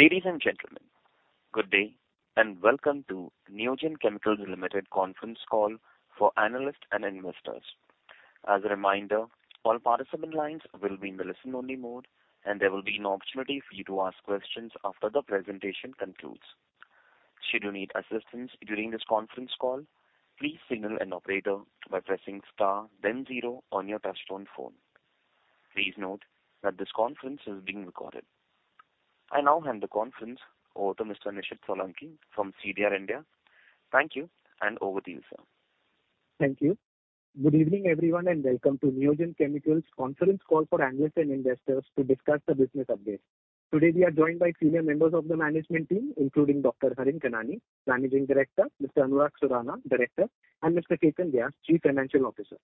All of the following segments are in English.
Ladies and gentlemen, good day and welcome to Neogen Chemicals Limited conference call for analysts and investors. As a reminder, all participant lines will be in the listen-only mode, and there will be an opportunity for you to ask questions after the presentation concludes. Should you need assistance during this conference call, please signal an operator by pressing star then zero on your touchtone phone. Please note that this conference is being recorded. I now hand the conference over to Mr. Nishid Solanki from CDR India. Thank you, and over to you, sir. Thank you. Good evening, everyone, and welcome to Neogen Chemicals conference call for analysts and investors to discuss the business updates. Today, we are joined by senior members of the management team, including Dr. Harin Kanani, Managing Director, Mr. Anurag Surana, Director, and Mr. Ketan Vyas, Chief Financial Officer.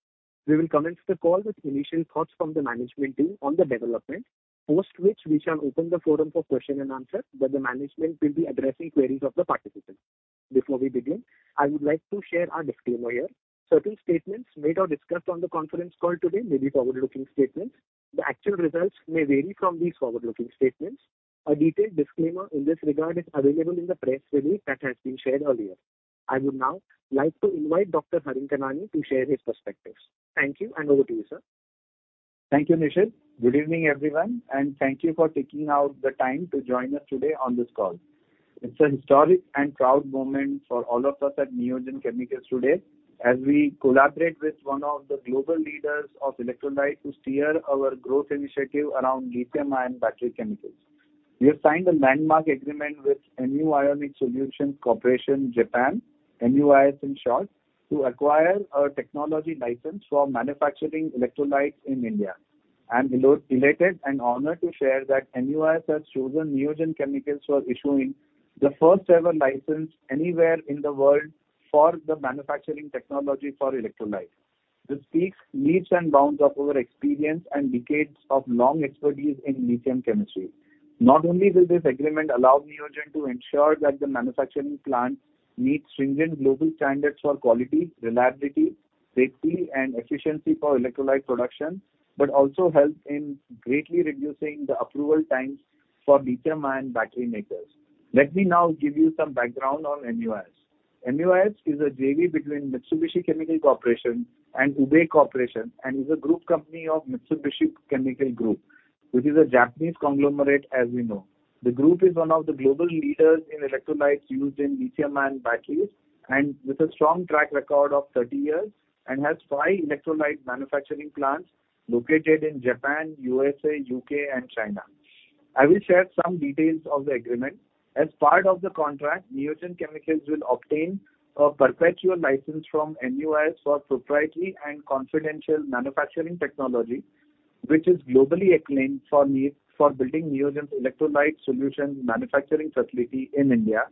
We will commence the call with initial thoughts from the management team on the development, post which we shall open the forum for question and answer where the management will be addressing queries of the participants. Before we begin, I would like to share our disclaimer here. Certain statements made or discussed on the conference call today may be forward-looking statements. The actual results may vary from these forward-looking statements. A detailed disclaimer in this regard is available in the press release that has been shared earlier. I would now like to invite Dr. Harin Kanani to share his perspectives. Thank you, and over to you, sir. Thank you, Nishad. Good evening, everyone. Thank you for taking out the time to join us today on this call. It's a historic and proud moment for all of us at Neogen Chemicals today as we collaborate with one of the global leaders of electrolyte to steer our growth initiative around lithium-ion battery chemicals. We have signed a landmark agreement with MU Ionic Solutions Corporation, Japan, MUIS in short, to acquire a technology license for manufacturing electrolytes in India. I'm elated and honored to share that MUIS has chosen Neogen Chemicals for issuing the first-ever license anywhere in the world for the manufacturing technology for electrolytes. This speaks leaps and bounds of our experience and decades of long expertise in lithium chemistry. Not only will this agreement allow Neogen to ensure that the manufacturing plant meets stringent global standards for quality, reliability, safety, and efficiency for electrolyte production, but also help in greatly reducing the approval times for lithium-ion battery makers. Let me now give you some background on MUIS. MUIS is a JV between Mitsubishi Chemical Corporation and UBE Corporation and is a group company of Mitsubishi Chemical Group, which is a Japanese conglomerate as we know. The group is one of the global leaders in electrolytes used in lithium-ion batteries and with a strong track record of 30 years and has five electrolyte manufacturing plants located in Japan, USA, UK, and China. I will share some details of the agreement. As part of the contract, Neogen Chemicals will obtain a perpetual license from MUIS for proprietary and confidential manufacturing technology, which is globally acclaimed for building Neogen's electrolyte solutions manufacturing facility in India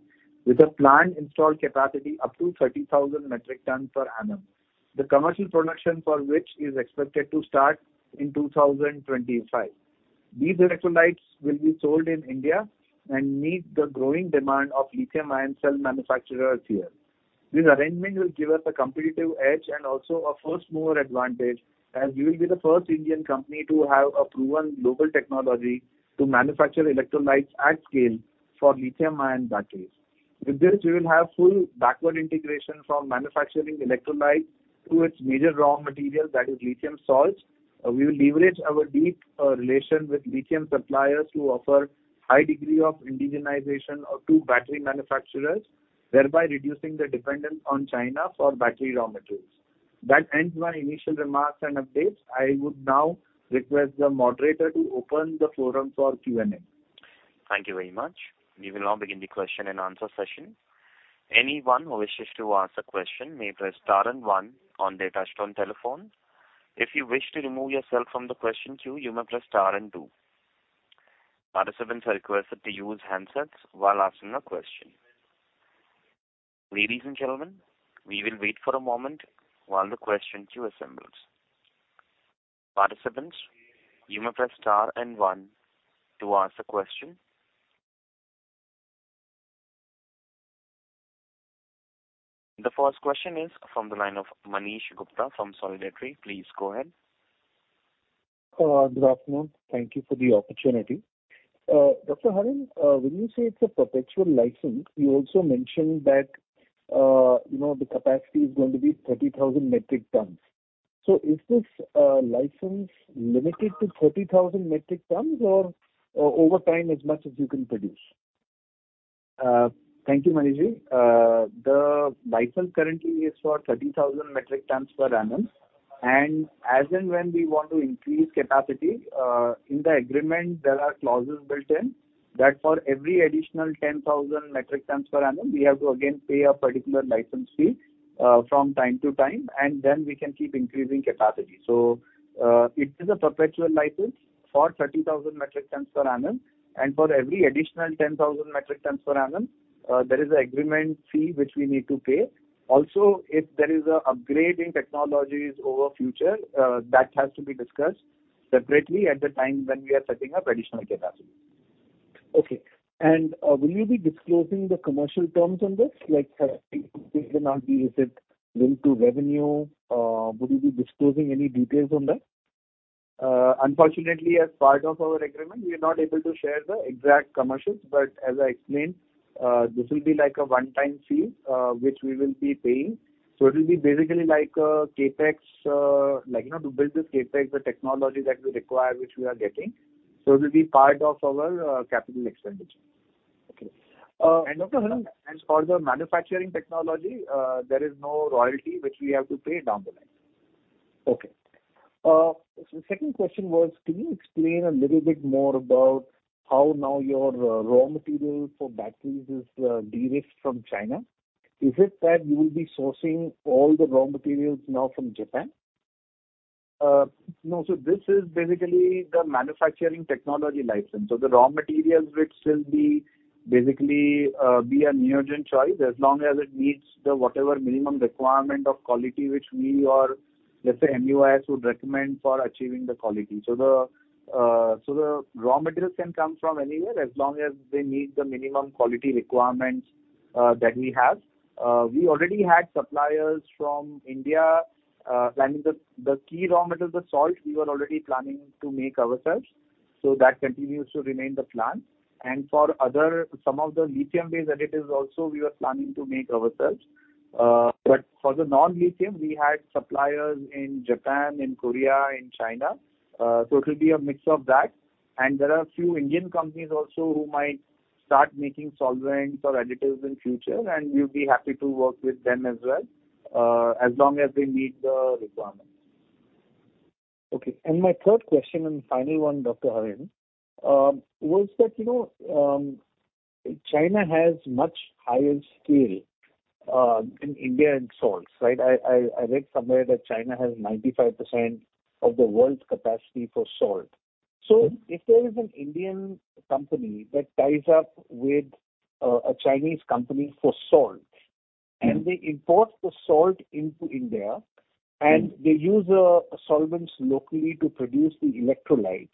with a planned installed capacity up to 30,000 metric tons per annum. The commercial production for which is expected to start in 2025. These electrolytes will be sold in India and meet the growing demand of lithium-ion cell manufacturers here. This arrangement will give us a competitive edge and also a first-mover advantage, as we will be the first Indian company to have a proven global technology to manufacture electrolytes at scale for lithium-ion batteries. With this, we will have full backward integration from manufacturing electrolyte to its major raw material, that is lithium salts. We will leverage our deep relation with lithium suppliers to offer high degree of indigenization to battery manufacturers, thereby reducing the dependence on China for battery raw materials. That ends my initial remarks and updates. I would now request the moderator to open the forum for Q&A. Thank you very much. We will now begin the question-and-answer session. Anyone who wishes to ask a question may press star and one on their touchtone telephone. If you wish to remove yourself from the question queue, you may press star and two. Participants are requested to use handsets while asking a question. Ladies and gentlemen, we will wait for a moment while the question queue assembles. Participants, you may press star and one to ask a question. The first question is from the line of Manish Gupta from Solidarity. Please go ahead. Good afternoon. Thank you for the opportunity. Dr. Harin, when you say it's a perpetual license, you also mentioned that, you know, the capacity is going to be 30,000 metric tons. Is this license limited to 30,000 metric tons or over time as much as you can produce? Thank you, Manish. The license currently is for 30,000 metric tons per annum. As and when we want to increase capacity, in the agreement, there are clauses built in that for every additional 10,000 metric tons per annum, we have to again pay a particular license fee, from time to time, and then we can keep increasing capacity. It is a perpetual license for 30,000 metric tons per annum, and for every additional 10,000 metric tons per annum, there is a agreement fee which we need to pay. If there is a upgrade in technologies over future, that has to be discussed separately at the time when we are setting up additional capacity. Okay. Will you be disclosing the commercial terms on this? Like, it may or may not be... Is it linked to revenue? Will you be disclosing any details on that? Unfortunately, as part of our agreement, we are not able to share the exact commercials, but as I explained, this will be like a one-time fee, which we will be paying. It will be basically like a CapEx, like, you know, to build this CapEx, the technology that we require, which we are getting. It will be part of our capital expenditure. Okay. Dr. Harin. For the manufacturing technology, there is no royalty which we have to pay down the line. Okay. Second question was, can you explain a little bit more about how now your raw material for batteries is derisked from China? Is it that you will be sourcing all the raw materials now from Japan? No. This is basically the manufacturing technology license. The raw materials, which will be basically be a Neogen choice as long as it meets the whatever minimum requirement of quality which we or, let's say, MUIS would recommend for achieving the quality. The raw materials can come from anywhere as long as they meet the minimum quality requirements that we have. We already had suppliers from India. Planning the key raw material, the salt, we were already planning to make ourselves, so that continues to remain the plan. For other some of the lithium-based additives also we are planning to make ourselves. But for the non-lithium, we had suppliers in Japan, in Korea, in China. It will be a mix of that. There are a few Indian companies also who might start making solvents or additives in future, and we'll be happy to work with them as well, as long as they meet the requirements. Okay. My third question and final one, Dr. Haren, was that, you know, China has much higher scale in India in salts, right? I read somewhere that China has 95% of the world's capacity for salt. If there is an Indian company that ties up with a Chinese company for salt and they import the salt into India and they use solvents locally to produce the electrolyte,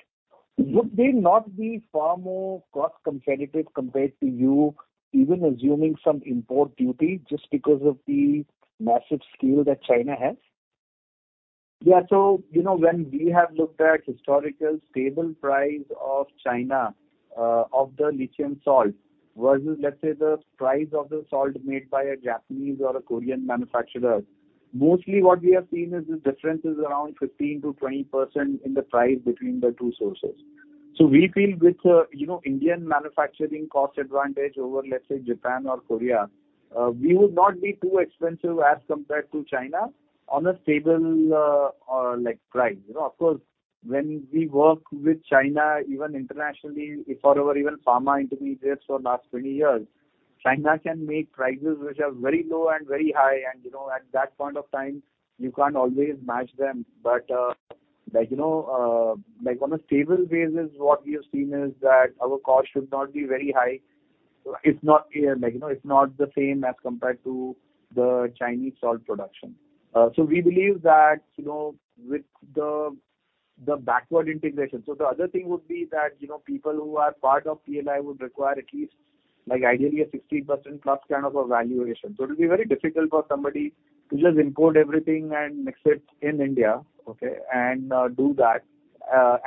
would they not be far more cost competitive compared to you, even assuming some import duty just because of the massive scale that China has? Yeah. You know, when we have looked at historical stable price of China, of the lithium salt versus, let's say, the price of the salt made by a Japanese or a Korean manufacturer, mostly what we have seen is the difference is around 15%-20% in the price between the two sources. We feel with, you know, Indian manufacturing cost advantage over, let's say, Japan or Korea, we would not be too expensive as compared to China on a stable, like price. You know, of course, when we work with China, even internationally for our even pharma intermediates for last 20 years, China can make prices which are very low and very high. You know, at that point of time, you can't always match them. Like, you know, like on a stable basis, what we have seen is that our cost should not be very high. It's not, like, you know, it's not the same as compared to the Chinese salt production. We believe that, you know, with the backward integration. The other thing would be that, you know, people who are part of PLI would require at least like ideally a 60% plus kind of a valuation. It will be very difficult for somebody to just import everything and mix it in India, okay, and, do that,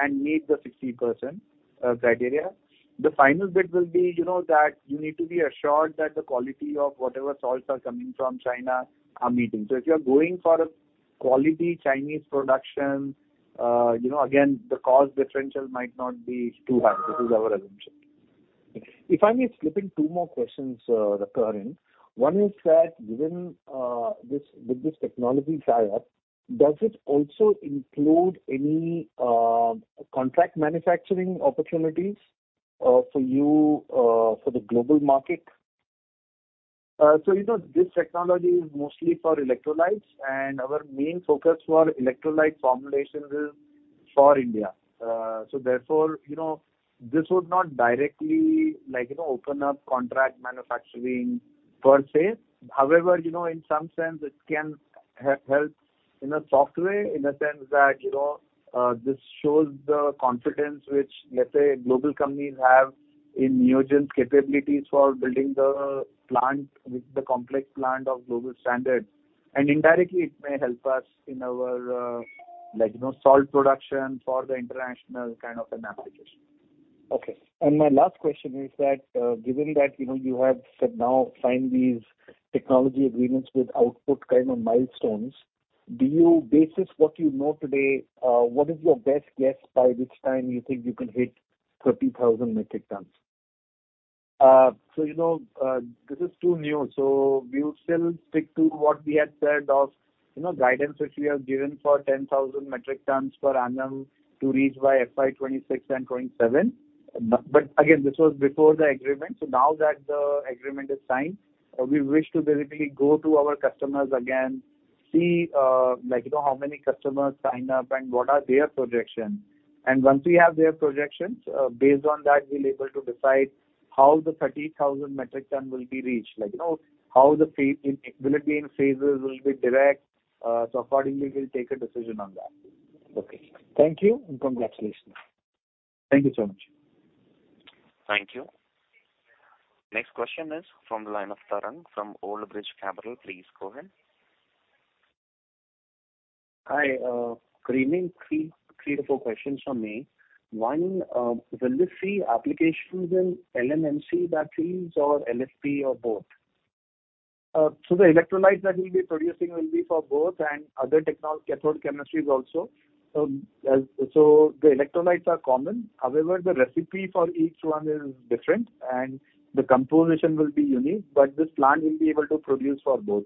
and meet the 60% criteria. The final bit will be, you know, that you need to be assured that the quality of whatever salts are coming from China are meeting. If you're going for a quality Chinese production, you know, again, the cost differential might not be too high. This is our assumption. If I may slip in two more questions, Dr. HarIn. One is that within, this, with this technology tie-up, does it also include any, contract manufacturing opportunities, for you, for the global market? You know, this technology is mostly for electrolytes and our main focus for electrolyte formulations is for India. Therefore, you know, this would not directly like, you know, open up contract manufacturing per se. However, you know, in some sense it can help in a soft way in a sense that, you know, this shows the confidence which, let's say, global companies have in Neogen's capabilities for building the plant with the complex plant of global standards. Indirectly it may help us in our, like, you know, salt production for the international kind of an application. Okay. My last question is that, given that, you know, you have said now signed these technology agreements with output kind of milestones, basis what you know today, what is your best guess by which time you think you can hit 30,000 metric tons? You know, this is too new, we would still stick to what we had said of, you know, guidance which we have given for 10,000 metric tons per annum to reach by FY26 and FY27. But again, this was before the agreement. Now that the agreement is signed, we wish to basically go to our customers again, see, like, you know, how many customers sign up and what are their projections. Once we have their projections, based on that, we'll able to decide how the 30,000 metric ton will be reached. Will it be in phases? Will it be direct? Accordingly we'll take a decision on that. Okay. Thank you, and congratulations. Thank you so much. Thank you. Next question is from the line of Tarang from Old Bridge Capital. Please go ahead. Hi, good evening. Three to four questions from me. One, will we see applications in NMC batteries or LFP or both? The electrolytes that we'll be producing will be for both and other cathode chemistries also. The electrolytes are common. However, the recipe for each one is different and the composition will be unique, but this plant will be able to produce for both.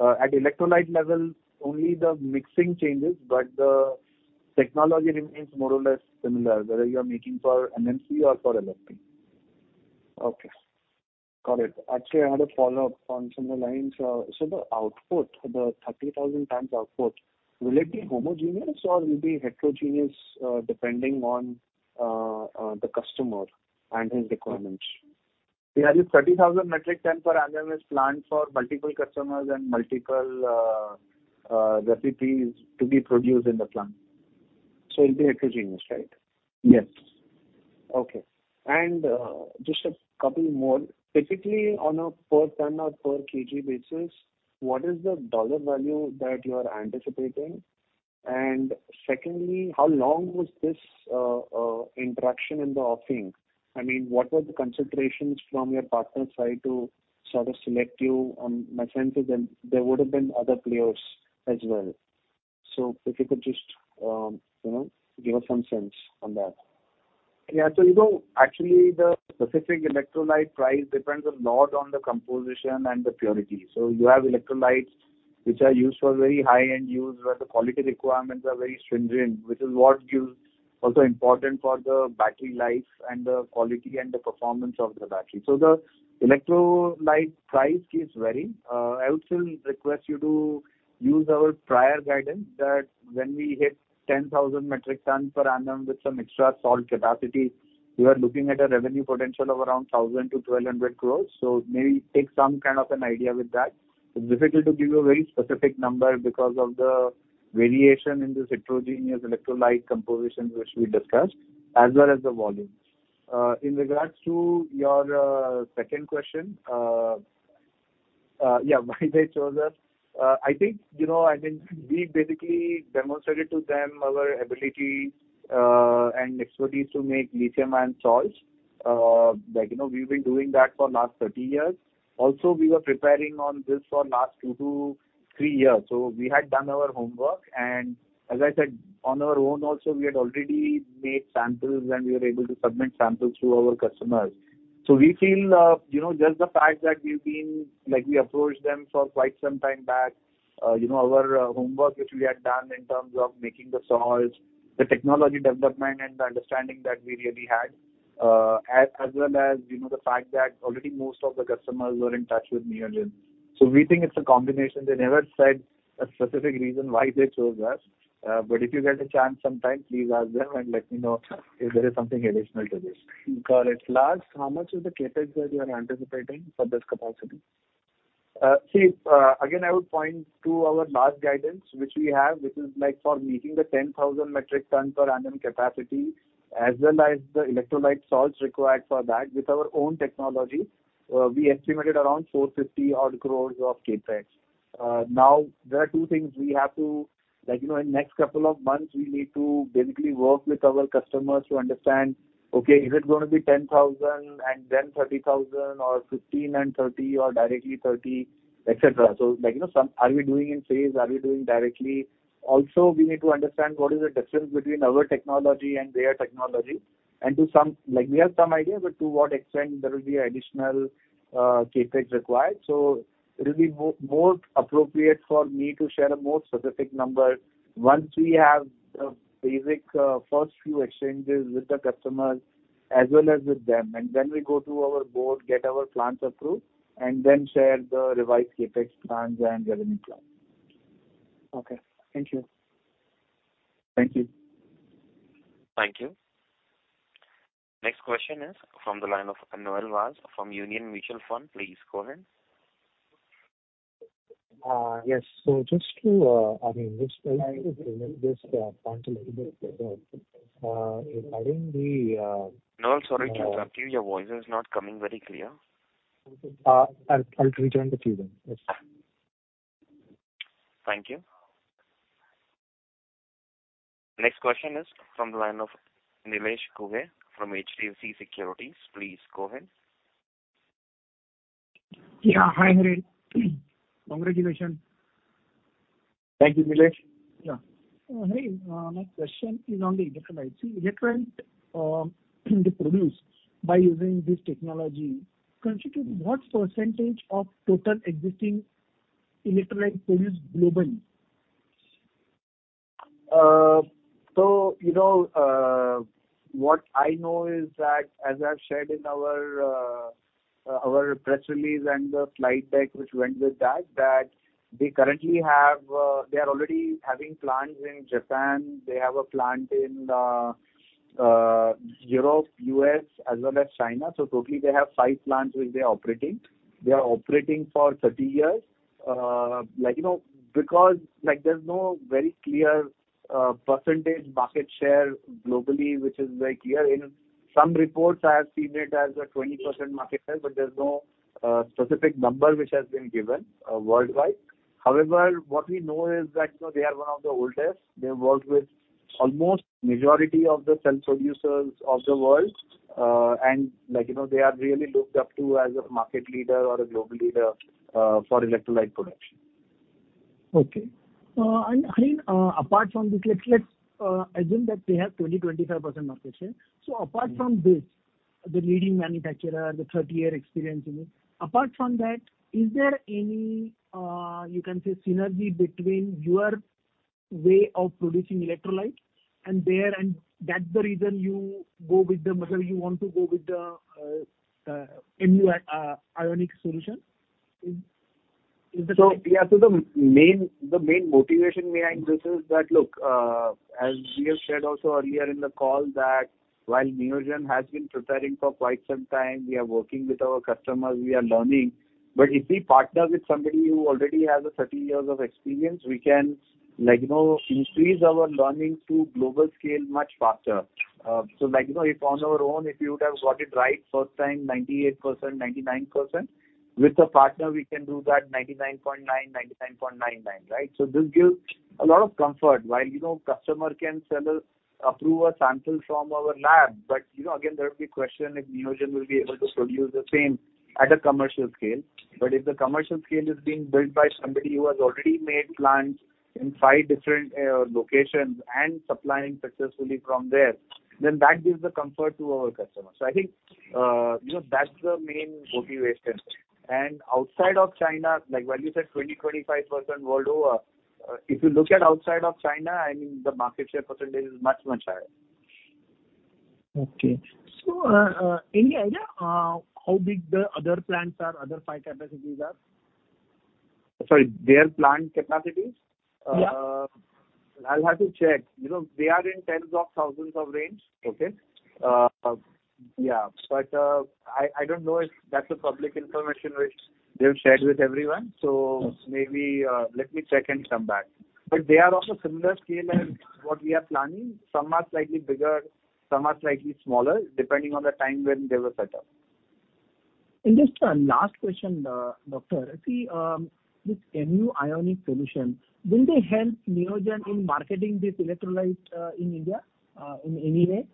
At electrolyte level, only the mixing changes, but the technology remains more or less similar, whether you are making for NMC or for LFP. Okay, got it. Actually, I had a follow-up on similar lines. The output, the 30,000 times output, will it be homogeneous or will it be heterogeneous, depending on the customer and his requirements? We have a 30,000 metric ton per annum as plant for multiple customers and multiple recipes to be produced in the plant. It'll be heterogeneous, right? Yes. Okay. Just a couple more. Typically, on a per ton or per kg basis, what is the dollar value that you are anticipating? Secondly, how long was this interaction in the offing? I mean, what were the considerations from your partner side to sort of select you? My sense is that there would have been other players as well. If you could just, you know, give us some sense on that. Yeah. You know, actually the specific electrolyte price depends a lot on the composition and the purity. You have electrolytes which are used for very high-end use, where the quality requirements are very stringent. Also important for the battery life and the quality and the performance of the battery. The electrolyte price keeps varying. I would still request you to use our prior guidance that when we hit 10,000 metric ton per annum with some extra salt capacity, we are looking at a revenue potential of around 1,000-1,200 crores. Maybe take some kind of an idea with that. It's difficult to give you a very specific number because of the variation in this heterogeneous electrolyte composition which we discussed, as well as the volume. In regards to your second question, yeah, why they chose us. I think, you know, I mean, we basically demonstrated to them our ability and expertise to make lithium ion salts. Like, you know, we've been doing that for last 30 years. Also, we were preparing on this for last two to three years. We had done our homework. As I said, on our own also, we had already made samples, and we were able to submit samples to our customers. We feel, you know, just the fact that we've been. Like, we approached them for quite some time back. You know, our homework which we had done in terms of making the salts, the technology development and the understanding that we really had, as well as, you know, the fact that already most of the customers were in touch with Neogen. We think it's a combination. They never said a specific reason why they chose us. But if you get a chance sometime, please ask them and let me know if there is something additional to this. Got it. Last, how much is the CapEx that you are anticipating for this capacity? See, again, I would point to our last guidance, which we have, which is, like, for meeting the 10,000 metric ton per annum capacity as well as the electrolyte salts required for that. With our own technology, we estimated around 450 odd crores of CapEx. Now there are two things we have to. Like, you know, in next couple of months, we need to basically work with our customers to understand, okay, is it gonna be 10,000 and then 30,000 or 15 and 30 or directly 30, et cetera. Like, you know, are we doing in phase? Are we doing directly? Also, we need to understand what is the difference between our technology and their technology, and to some. Like, we have some idea, but to what extent there will be additional CapEx required. It'll be more appropriate for me to share a more specific number once we have the basic, first few exchanges with the customers as well as with them, and then we go to our board, get our plans approved, and then share the revised CapEx plans and revenue plan. Okay. Thank you. Thank you. Thank you. Next question is from the line of Noel Vaz from Union Mutual Fund. Please go ahead. Yes. just to, I mean, just point a little bit further. regarding the, Noel, sorry to interrupt you. Your voice is not coming very clear. I'll return to queue then. Yes. Thank you. Next question is from the line of Nilesh Ghuge from HDFC Securities. Please go ahead. Hi, Hari. Congratulations. Thank you, Nilesh. Yeah. Hari, my question is on the electrolyte. See, electrolyte, they produce by using this technology constitute what % of total existing electrolyte produced globally? You know, what I know is that, as I've shared in our press release and the slide deck which went with that they currently have, they are already having plants in Japan. They have a plant in Europe, US, as well as China. Totally they have five plants which they are operating. They are operating for 30 years. Like, you know, because, like, there's no very clear percentage market share globally, which is very clear. In some reports, I have seen it as a 20% market share, but there's no specific number which has been given worldwide. What we know is that, you know, they are one of the oldest. They've worked with almost majority of the cell producers of the world. Like, you know, they are really looked up to as a market leader or a global leader for electrolyte production. Okay. I mean, apart from this, let's assume that they have 20-25% market share. Apart from this, the leading manufacturer, the 30-year experience in it. Apart from that, is there any, you can say synergy between your way of producing electrolyte and their... That's the reason you go with them, whether you want to go with the MU Ionic Solutions? Is it so? Yeah, the main motivation behind this is that, look, as we have said also earlier in the call that while Neogen has been preparing for quite some time, we are working with our customers, we are learning. If we partner with somebody who already has a 30 years of experience, we can like, you know, increase our learning to global scale much faster. Like, you know, if on our own, if you would have got it right first time, 98%, 99%, with a partner we can do that 99.9%, 99.99%, right? This gives a lot of comfort. While, you know, customer can sell us, approve a sample from our lab, but you know, again, there will be question if Neogen will be able to produce the same at a commercial scale. If the commercial scale is being built by somebody who has already made plants in 5 different locations and supplying successfully from there, then that gives the comfort to our customers. I think, you know, that's the main motivation. Outside of China, like when you said 20-25% world over, if you look at outside of China, I mean, the market share percentage is much, much higher. Okay. Any idea how big the other plants are, other five capacities are? Sorry, their plant capacities? Yeah. I'll have to check. You know, they are in tens of thousands of range. Okay. Yeah. I don't know if that's a public information which they've shared with everyone. Maybe, let me check and come back. They are of a similar scale as what we are planning. Some are slightly bigger, some are slightly smaller, depending on the time when they were set up. Just, last question, Doctor. See, this MU Ionic Solutions, will they help Neogen in marketing this electrolyte, in India, in any way?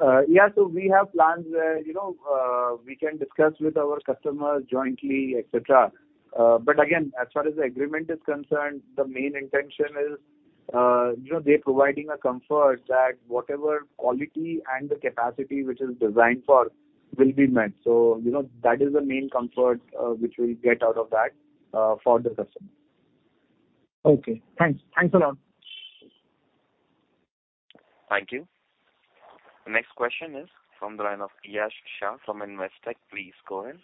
Yeah. We have plans where, you know, we can discuss with our customers jointly, et cetera. Again, as far as the agreement is concerned, the main intention is, you know, they're providing a comfort that whatever quality and the capacity which is designed for will be met. You know, that is the main comfort which we'll get out of that for the customer. Okay, thanks. Thanks a lot. Thank you. The next question is from the line of Yash Shah from Investec. Please go ahead.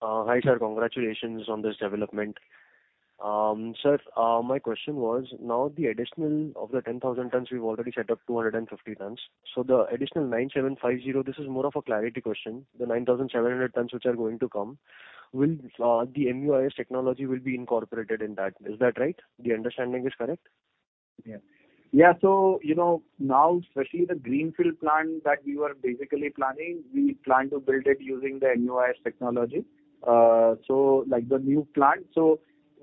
Hi, sir. Congratulations on this development. Sir, my question was, now the additional of the 10,000 tons, we've already set up 250 tons. The additional 9,750, this is more of a clarity question. The 9,700 tons which are going to come, will, the MUIS technology will be incorporated in that. Is that right? The understanding is correct? Yeah. Yeah. You know, now especially the greenfield plant that we were basically planning, we plan to build it using the MUIS technology. Like the new plant.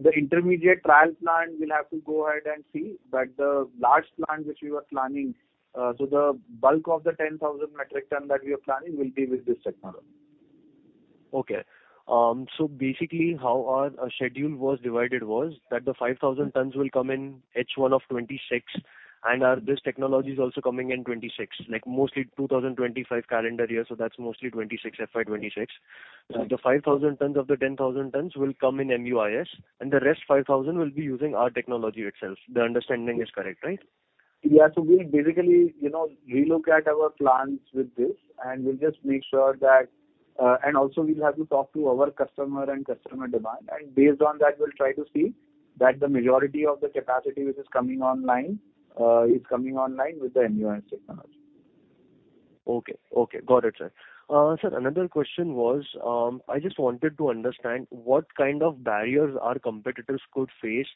The intermediate trial plant, we'll have to go ahead and see. The large plant which we were planning, the bulk of the 10,000 metric ton that we are planning will be with this technology. Okay. Basically how our schedule was divided was that the 5,000 tons will come in H1 of 2026. Are this technology is also coming in 2026? Like mostly 2025 calendar year, that's mostly 2026, FY26. Yeah. The 5,000 tons of the 10,000 tons will come in MUIS. The rest 5,000 will be using our technology itself. The understanding is correct, right? Yeah. We'll basically, you know, relook at our plans with this, and we'll just make sure that, and also we'll have to talk to our customer and customer demand. Based on that, we'll try to see that the majority of the capacity which is coming online, is coming online with the MUIS technology. Okay. Okay. Got it, sir. Sir, another question was, I just wanted to understand what kind of barriers our competitors could face,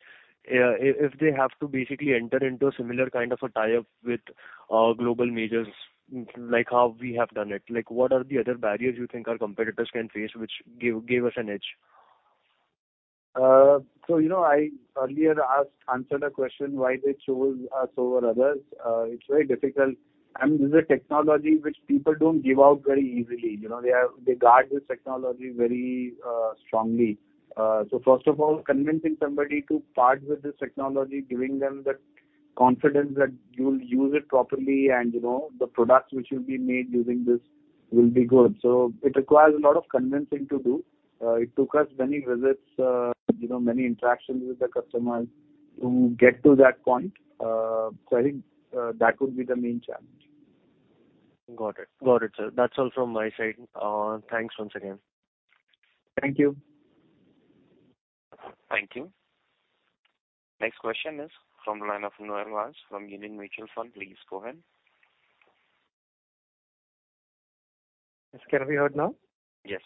if they have to basically enter into a similar kind of a tie-up with, global majors like how we have done it? What are the other barriers you think our competitors can face which give us an edge? You know, I earlier answered a question why they chose us over others. It's very difficult. I mean, this is a technology which people don't give out very easily. You know, they guard this technology very strongly. First of all, convincing somebody to part with this technology, giving them the confidence that you'll use it properly and, you know, the products which will be made using this will be good. It requires a lot of convincing to do. It took us many visits, you know, many interactions with the customers to get to that point. I think that would be the main challenge. Got it. Got it, sir. That's all from my side. Thanks once again. Thank you. Next question is from the line of Noel Vaz from Union Mutual Fund. Please go ahead. Yes. Can we hear now? Yes.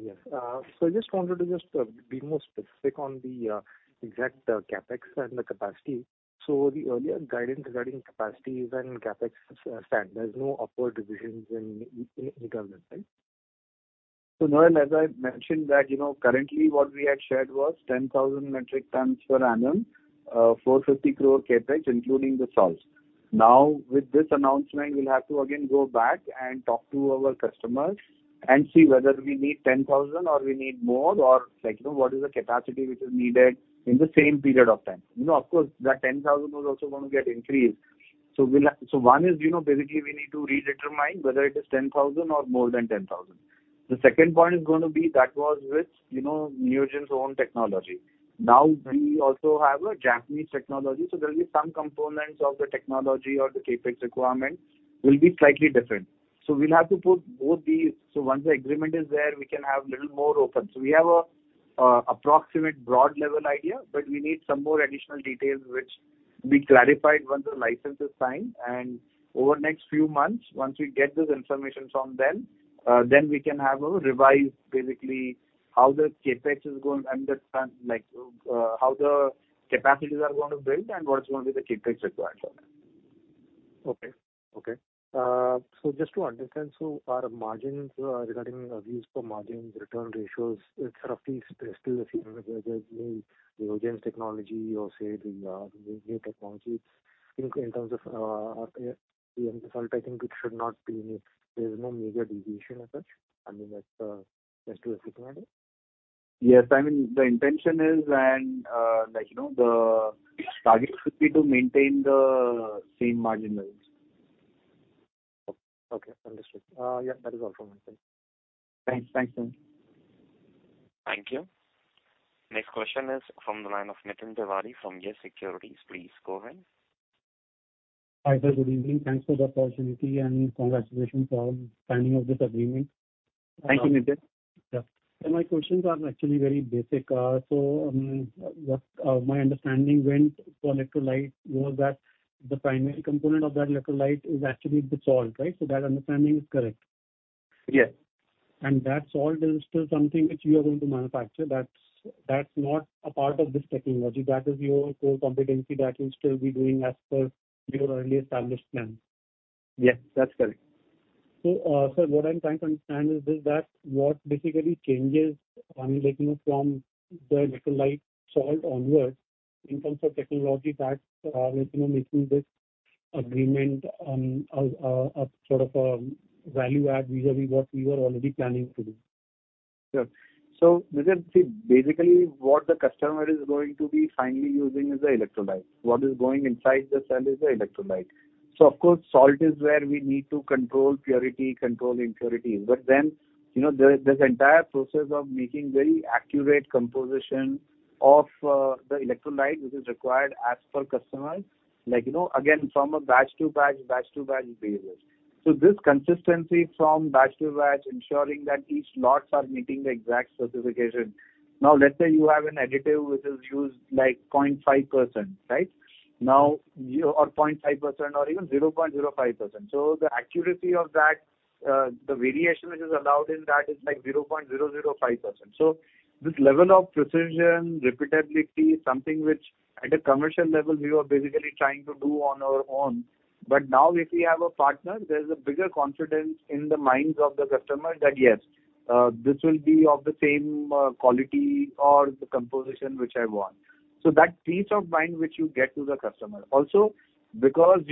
Yes. I just wanted to just be more specific on the exact CapEx and the capacity. The earlier guidance regarding capacities and CapEx stand, there's no upward revisions in government, right? Noel, as I mentioned that, you know, currently what we had shared was 10,000 metric tons per annum, 450 crore CapEx, including the salts. With this announcement, we'll have to again go back and talk to our customers and see whether we need 10,000 or we need more, or like, you know, what is the capacity which is needed in the same period of time. Of course, that 10,000 was also gonna get increased. One is, you know, basically we need to redetermine whether it is 10,000 or more than 10,000. The second point is gonna be that was with, you know, Neogen's own technology. We also have a Japanese technology, so there'll be some components of the technology or the CapEx requirement will be slightly different. We'll have to put both these. Once the agreement is there, we can have little more open. We have a approximate broad level idea, but we need some more additional details which be clarified once the license is signed. Over the next few months, once we get this information from them, then we can have a revised, basically how the CapEx is going to understand, like, how the capacities are going to build and what is going to be the CapEx required for that. rstand, so our margins regarding views for margins, return ratios, it's roughly still the same as Neogen's technology or say the new technology in terms of the end result. I think it should not be. There's no major deviation as such. I mean, that's just to recommend it Yes. I mean, the intention is and, like, you know, the target should be to maintain the same margin levels. Okay. Understood. Yeah, that is all from my side. Thanks. Thanks, sir. Thank you. Next question is from the line of Nitin Tiwari from Yes Securities. Please go ahead. Hi there. Good evening. Thanks for the opportunity and congratulations on signing of this agreement. Thank you, Nitin. Yeah. My questions are actually very basic. What my understanding went for electrolyte was that the primary component of that electrolyte is actually the salt, right? That understanding is correct. Yes. That's alls is still something which you are going to manufacture. That's not a part of this technology. That is your core competency that you'll still be doing as per your earlier established plan. Yes, that's correct. Sir, what I'm trying to understand is that what basically changes, I mean, like, you know, from the electrolyte salt onwards in terms of technology that, you know, making this agreement, a sort of a value add vis-a-vis what we were already planning to do? Sure. Nitin, see, basically what the customer is going to be finally using is the electrolyte. What is going inside the cell is the electrolyte. Of course, salt is where we need to control purity, control impurities. You know, this entire process of making very accurate composition of the electrolyte which is required as per customer, like, you know, again, from a batch to batch basis. This consistency from batch to batch ensuring that each lots are meeting the exact specification. Now, let's say you have an additive which is used like 0.5%, right? 0.5% or even 0.05%. The accuracy of that, the variation which is allowed in that is like 0.005%. This level of precision, repeatability, something which at a commercial level we were basically trying to do on our own. Now if we have a partner, there's a bigger confidence in the minds of the customer that, yes, this will be of the same quality or the composition which I want. That peace of mind which you get to the customer. You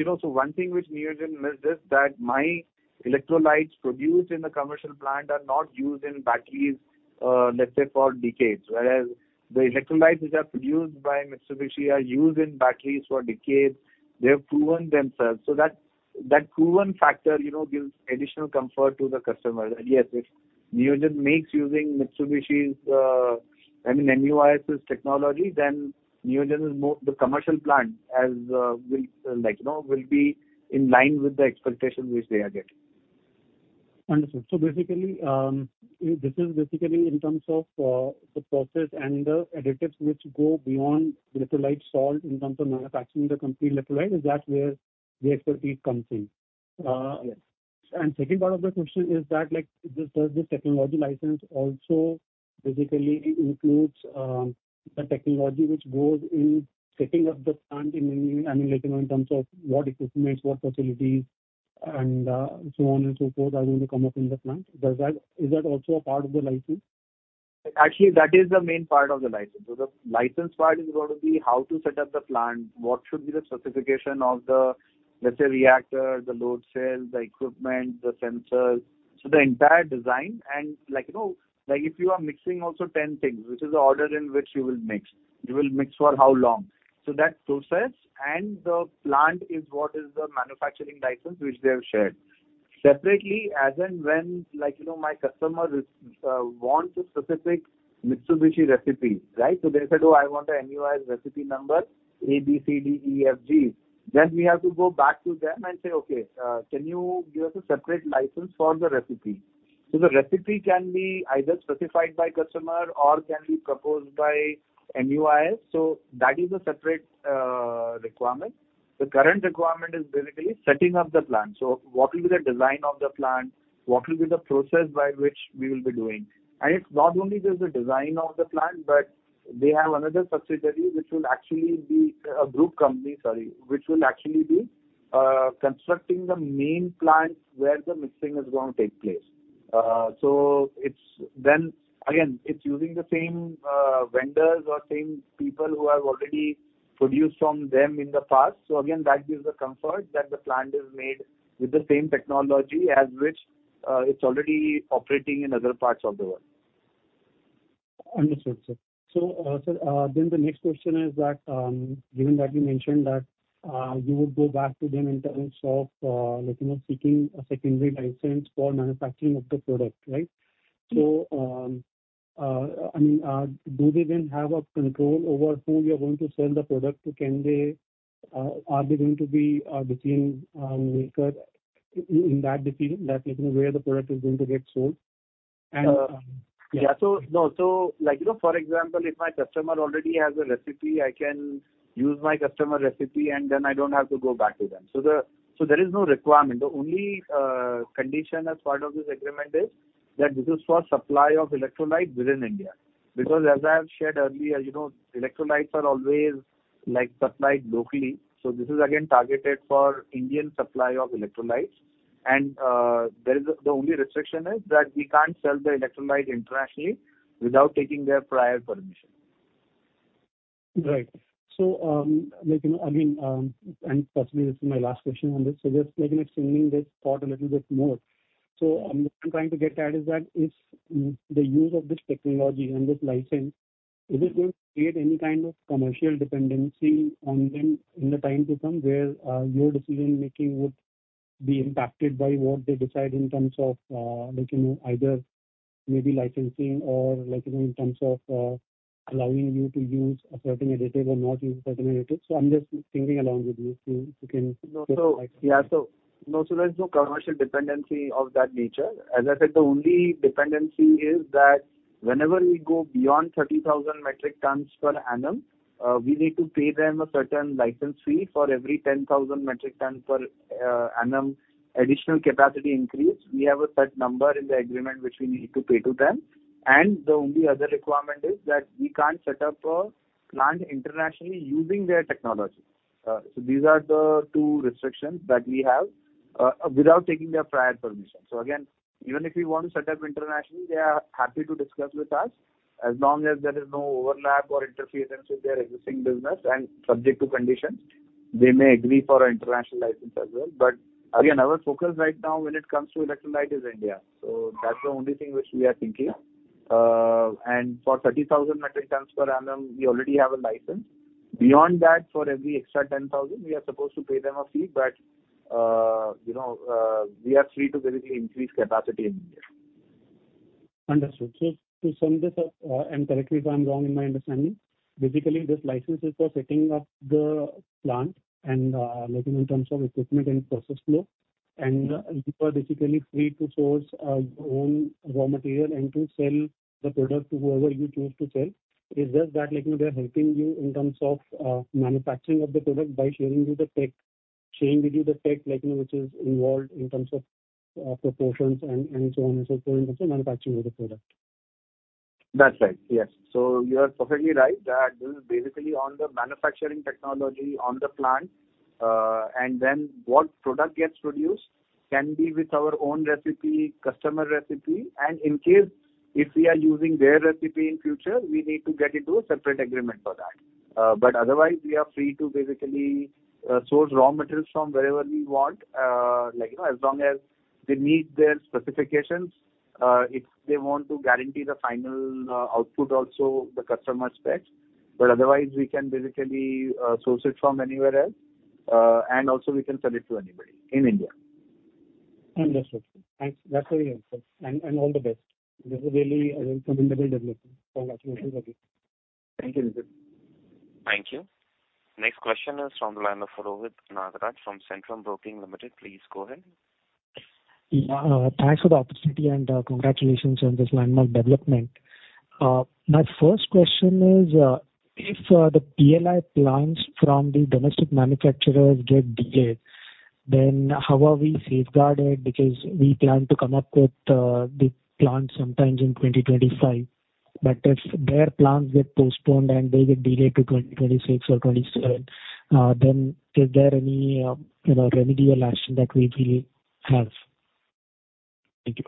know, one thing which Neogen missed is that my electrolytes produced in the commercial plant are not used in batteries, let's say for decades. Whereas the electrolytes which are produced by Mitsubishi are used in batteries for decades. They have proven themselves. That proven factor, you know, gives additional comfort to the customer that, yes, if Neogen makes using Mitsubishi's, I mean, MUIS's technology, then Neogen is more... The commercial plant as, will, like, you know, will be in line with the expectations which they are getting. Understood. Basically, this is basically in terms of the process and the additives which go beyond electrolyte salt in terms of manufacturing the complete electrolyte. Is that where the expertise comes in? Yes. Second part of the question is that, like, does this technology license also basically includes the technology which goes in setting up the plant in, I mean, like, you know, in terms of what equipments, what facilities and so on and so forth are going to come up in the plant. Is that also a part of the license? Actually, that is the main part of the license. The license part is going to be how to set up the plant, what should be the specification of the, let's say, reactor, the load cells, the equipment, the sensors. The entire design and like, you know, like if you are mixing also 10 things, which is the order in which you will mix. You will mix for how long. That process and the plant is what is the manufacturing license which they have shared. Separately, as and when, like, you know, my customer wants a specific Mitsubishi recipe, right? They said, "Oh, I want a NUIS recipe number A, B, C, D, E, F, G." We have to go back to them and say, "Okay, can you give us a separate license for the recipe?" The recipe can be either specified by customer or can be proposed by NUIS, so that is a separate requirement. The current requirement is basically setting up the plant. What will be the design of the plant, what will be the process by which we will be doing. It's not only just the design of the plant, but they have another subsidiary which will actually be, a group company, sorry, which will actually be, constructing the main plant where the mixing is gonna take place. It's... It's using the same vendors or same people who have already produced from them in the past. That gives the comfort that the plant is made with the same technology as which it's already operating in other parts of the world. Understood, sir. Sir, the next question is that, given that you mentioned that, you would go back to them in terms of, like, you know, seeking a secondary license for manufacturing of the product, right? Yes. I mean, do they then have a control over who you are going to sell the product to? Can they? Are they going to be a decision maker in that decision, that, you know, where the product is going to get sold? Yeah. Yeah. No. Like, you know, for example, if my customer already has a recipe, I can use my customer recipe, and then I don't have to go back to them. There is no requirement. The only condition as part of this agreement is that this is for supply of electrolytes within India. As I have shared earlier, you know, electrolytes are always, like, supplied locally, so this is again targeted for Indian supply of electrolytes. There is the only restriction is that we can't sell the electrolyte internationally without taking their prior permission. Right. Like, you know, I mean, possibly this is my last question on this. Just, like, you know, continuing this thought a little bit more. What I'm trying to get at is that if the use of this technology and this license, is it going to create any kind of commercial dependency on them in the time to come, where, your decision-making would be impacted by what they decide in terms of, like, you know, either maybe licensing or, like, you know, in terms of, allowing you to use a certain additive or not use a certain additive? I'm just thinking along with you, so you can give some light. No. Yeah. No. There's no commercial dependency of that nature. As I said, the only dependency is that whenever we go beyond 30,000 metric tons per annum, we need to pay them a certain license fee for every 10,000 metric ton per annum additional capacity increase. We have a set number in the agreement which we need to pay to them. The only other requirement is that we can't set up a plant internationally using their technology. These are the two restrictions that we have without taking their prior permission. Again, even if we want to set up internationally, they are happy to discuss with us. As long as there is no overlap or interference with their existing business and subject to conditions, they may agree for an international license as well. Again, our focus right now when it comes to electrolyte is India. That's the only thing which we are thinking. For 30,000 metric tons per annum, we already have a license. Beyond that, for every extra 10,000, we are supposed to pay them a fee. You know, we are free to basically increase capacity in India. Understood. To sum this up, and correct me if I'm wrong in my understanding, basically this license is for setting up the plant and, like in terms of equipment and process flow, and you are basically free to source, your own raw material and to sell the product to whoever you choose to sell. It's just that, like, you know, they're helping you in terms of, manufacturing of the product by sharing with you the tech, like, you know, which is involved in terms of, proportions and so on and so forth in terms of manufacturing of the product. That's right. Yes. You are perfectly right that this is basically on the manufacturing technology on the plant. And then what product gets produced can be with our own recipe, customer recipe, and in case if we are using their recipe in future, we need to get into a separate agreement for that. Otherwise we are free to basically source raw materials from wherever we want, like, you know, as long as they meet their specifications, if they want to guarantee the final output also the customer specs. Otherwise we can basically source it from anywhere else and also we can sell it to anybody in India. Understood. Thanks. That's all here, sir. All the best. This is really a commendable development. Congratulations again. Thank you, Nisit. Thank you. Next question is from the line of Rohit Nagraj from Centrum Broking Limited. Please go ahead. Thanks for the opportunity and congratulations on this landmark development. My first question is, if the PLI plants from the domestic manufacturers get delayed, then how are we safeguarded? We plan to come up with the plant sometimes in 2025. If their plants get postponed and they get delayed to 2026 or 2027, is there any, you know, remedial action that we will have? Thank you.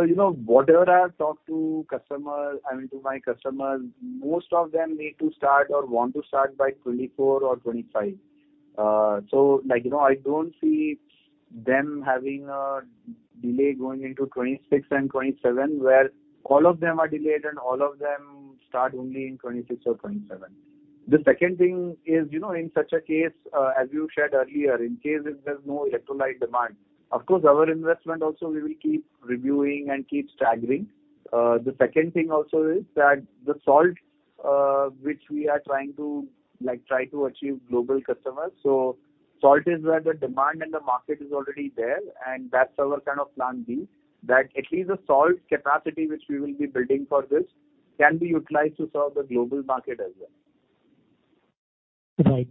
You know, whatever I have talked to customers, I mean, to my customers, most of them need to start or want to start by 2024 or 2025. Like, you know, I don't see them having a Delay going into 2026 and 2027, where all of them are delayed and all of them start only in 2026 or 2027. The second thing is, you know, in such a case, as you said earlier, in case if there's no electrolyte demand, of course, our investment also we will keep reviewing and keep staggering. The second thing also is that the salt, which we are trying to achieve global customers. Salt is where the demand in the market is already there, and that's our kind of plan B, that at least the salt capacity which we will be building for this can be utilized to serve the global market as well. Right.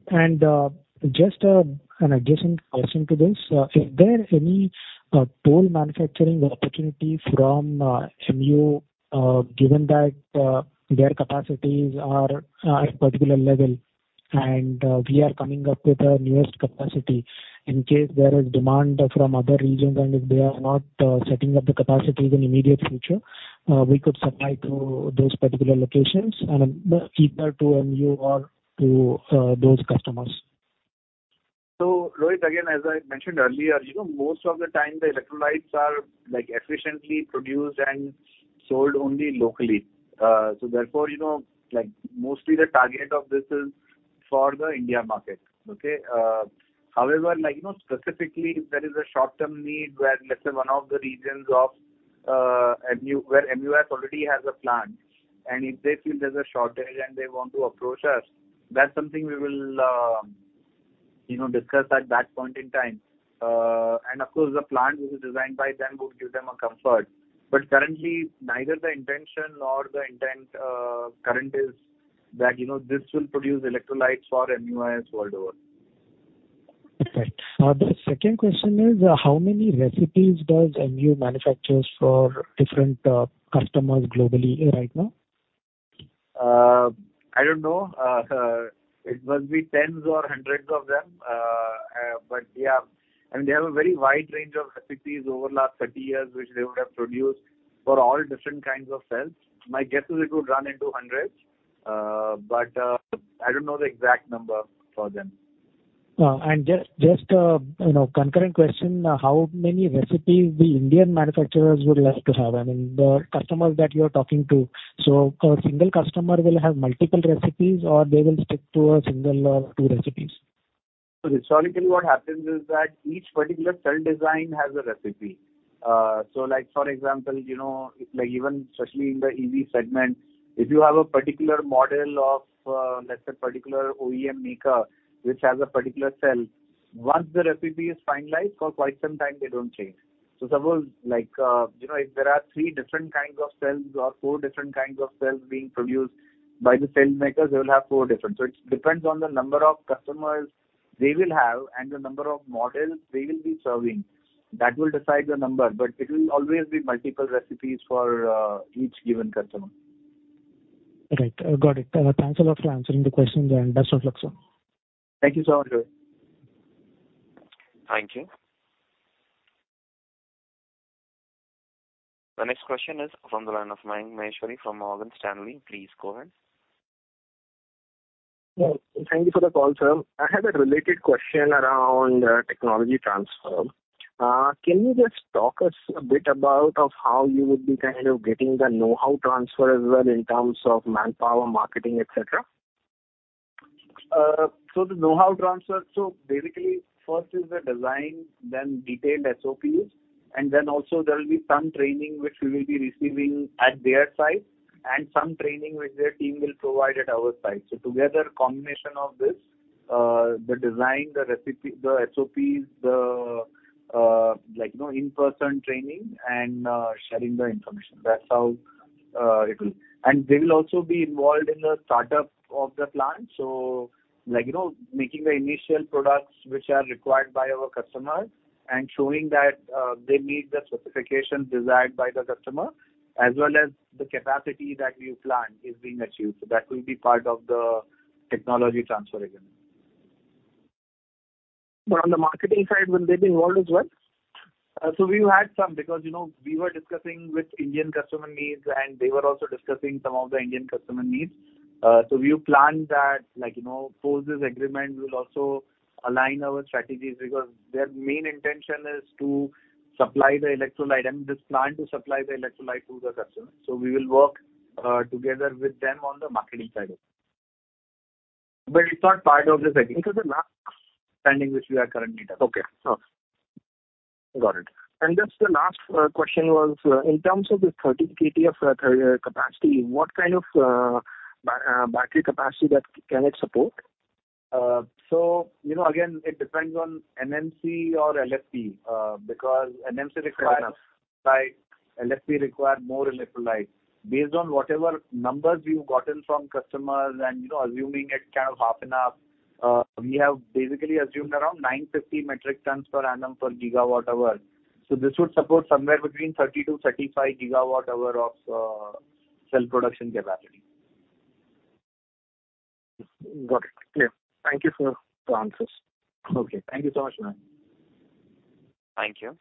Just an adjacent question to this. Is there any toll manufacturing opportunity from MU, given that their capacities are at a particular level and we are coming up with our newest capacity in case there is demand from other regions and if they are not setting up the capacities in immediate future, we could supply to those particular locations and either to MU or to those customers? Rohit, again, as I mentioned earlier, you know, most of the time the electrolytes are, like, efficiently produced and sold only locally. Therefore, you know, like, mostly the target of this is for the India market. Okay? However, like, you know, specifically if there is a short-term need where, let's say one of the regions of MUIS already has a plant, and if they feel there's a shortage and they want to approach us, that's something we will, you know, discuss at that point in time. And of course, the plant which is designed by them would give them a comfort. Currently neither the intention nor the intent current is that, you know, this will produce electrolytes for MUIS worldwide. Right. The second question is, how many recipes does MU manufacture for different customers globally right now? I don't know. It must be tens or hundreds of them. Yeah. I mean, they have a very wide range of recipes over last 30 years, which they would have produced for all different kinds of cells. My guess is it would run into hundreds. I don't know the exact number for them. just, you know, concurrent question, how many recipes the Indian manufacturers would like to have? I mean, the customers that you're talking to. A single customer will have multiple recipes or they will stick to a single or 2 recipes? Historically what happens is that each particular cell design has a recipe. Like for example, you know, like even especially in the EV segment, if you have a particular model of, let's say particular OEM maker which has a particular cell, once the recipe is finalized, for quite some time they don't change. Suppose like, you know, if there are 3 different kinds of cells or 4 different kinds of cells being produced by the cell makers, they will have 4 different. It depends on the number of customers they will have and the number of models they will be serving. That will decide the number, but it will always be multiple recipes for each given customer. Right. Got it. Thanks a lot for answering the questions and best of luck, sir. Thank you so much, Rohit. Thank you. The next question is from the line of Maheshwari from Morgan Stanley. Please go ahead. Thank you for the call, sir. I have a related question around technology transfer. Can you just talk us a bit about of how you would be kind of getting the know-how transfer as well in terms of manpower, marketing, et cetera? The know-how transfer, so basically first is the design, then detailed SOPs, and then also there will be some training which we will be receiving at their site and some training which their team will provide at our site. Together, combination of this, the design, the recipe, the SOPs, the, like, you know, in-person training and sharing the information. That's how it will. They will also be involved in the startup of the plant. Like, you know, making the initial products which are required by our customers and showing that, they meet the specifications desired by the customer as well as the capacity that we plan is being achieved. That will be part of the technology transfer agreement. On the marketing side, will they be involved as well? We've had some because, you know, we were discussing with Indian customer needs, and they were also discussing some of the Indian customer needs. We plan that like, you know, post this agreement we'll also align our strategies because their main intention is to supply the electrolyte, I mean, this plant to supply the electrolyte to the customer. We will work together with them on the marketing side of it. It's not part of this agreement? This is a MOA signing which we are currently doing. Okay. Got it. Just the last question was in terms of the 30 KT of capacity, what kind of battery capacity that can it support? You know, again, it depends on NMC or LFP. Fair enough. electrolyte, LFP require more electrolyte. Based on whatever numbers we've gotten from customers and, you know, assuming it kind of half enough, we have basically assumed around 950 metric tons per annum per gigawatt hour. This would support somewhere between 30-35 gigawatt hour of cell production capacity. Got it. Clear. Thank you, sir, for answers. Okay. Thank you so much, Mahesh. Thank you.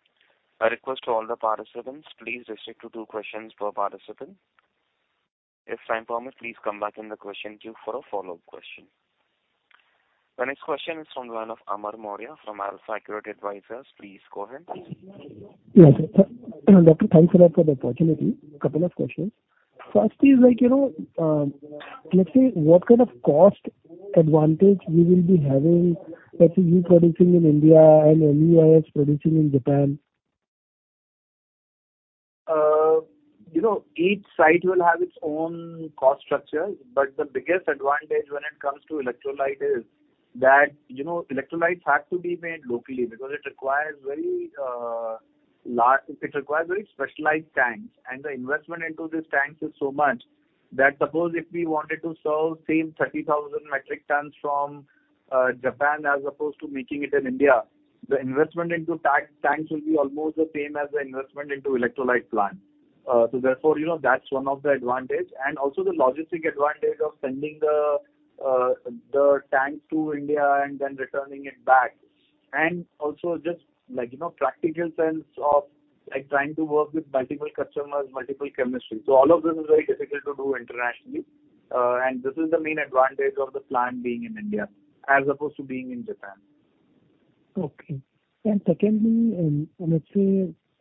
A request to all the participants, please restrict to two questions per participant. If time permits, please come back in the question queue for a follow-up question. The next question is from the line of Amar Maurya from AlfAccurate Advisors. Please go ahead. Yes, sir. Dr., thanks a lot for the opportunity. Couple of questions. First is like, you know, let's say what kind of cost advantage we will be having, let's say, you producing in India and MUIS producing in Japan? You know, each site will have its own cost structure, but the biggest advantage when it comes to electrolyte is that, you know, electrolytes have to be made locally because it requires very, it requires very specialized tanks, and the investment into these tanks is so much that suppose if we wanted to sell same 30,000 metric tons from Japan as opposed to making it in India, the investment into tanks will be almost the same as the investment into electrolyte plant. Therefore, you know, that's one of the advantage. Also the logistic advantage of sending the tank to India and then returning it back. Also just like, you know, practical sense of, like, trying to work with multiple customers, multiple chemistries. All of this is very difficult to do internationally, and this is the main advantage of the plant being in India as opposed to being in Japan. Okay. Secondly, let's say,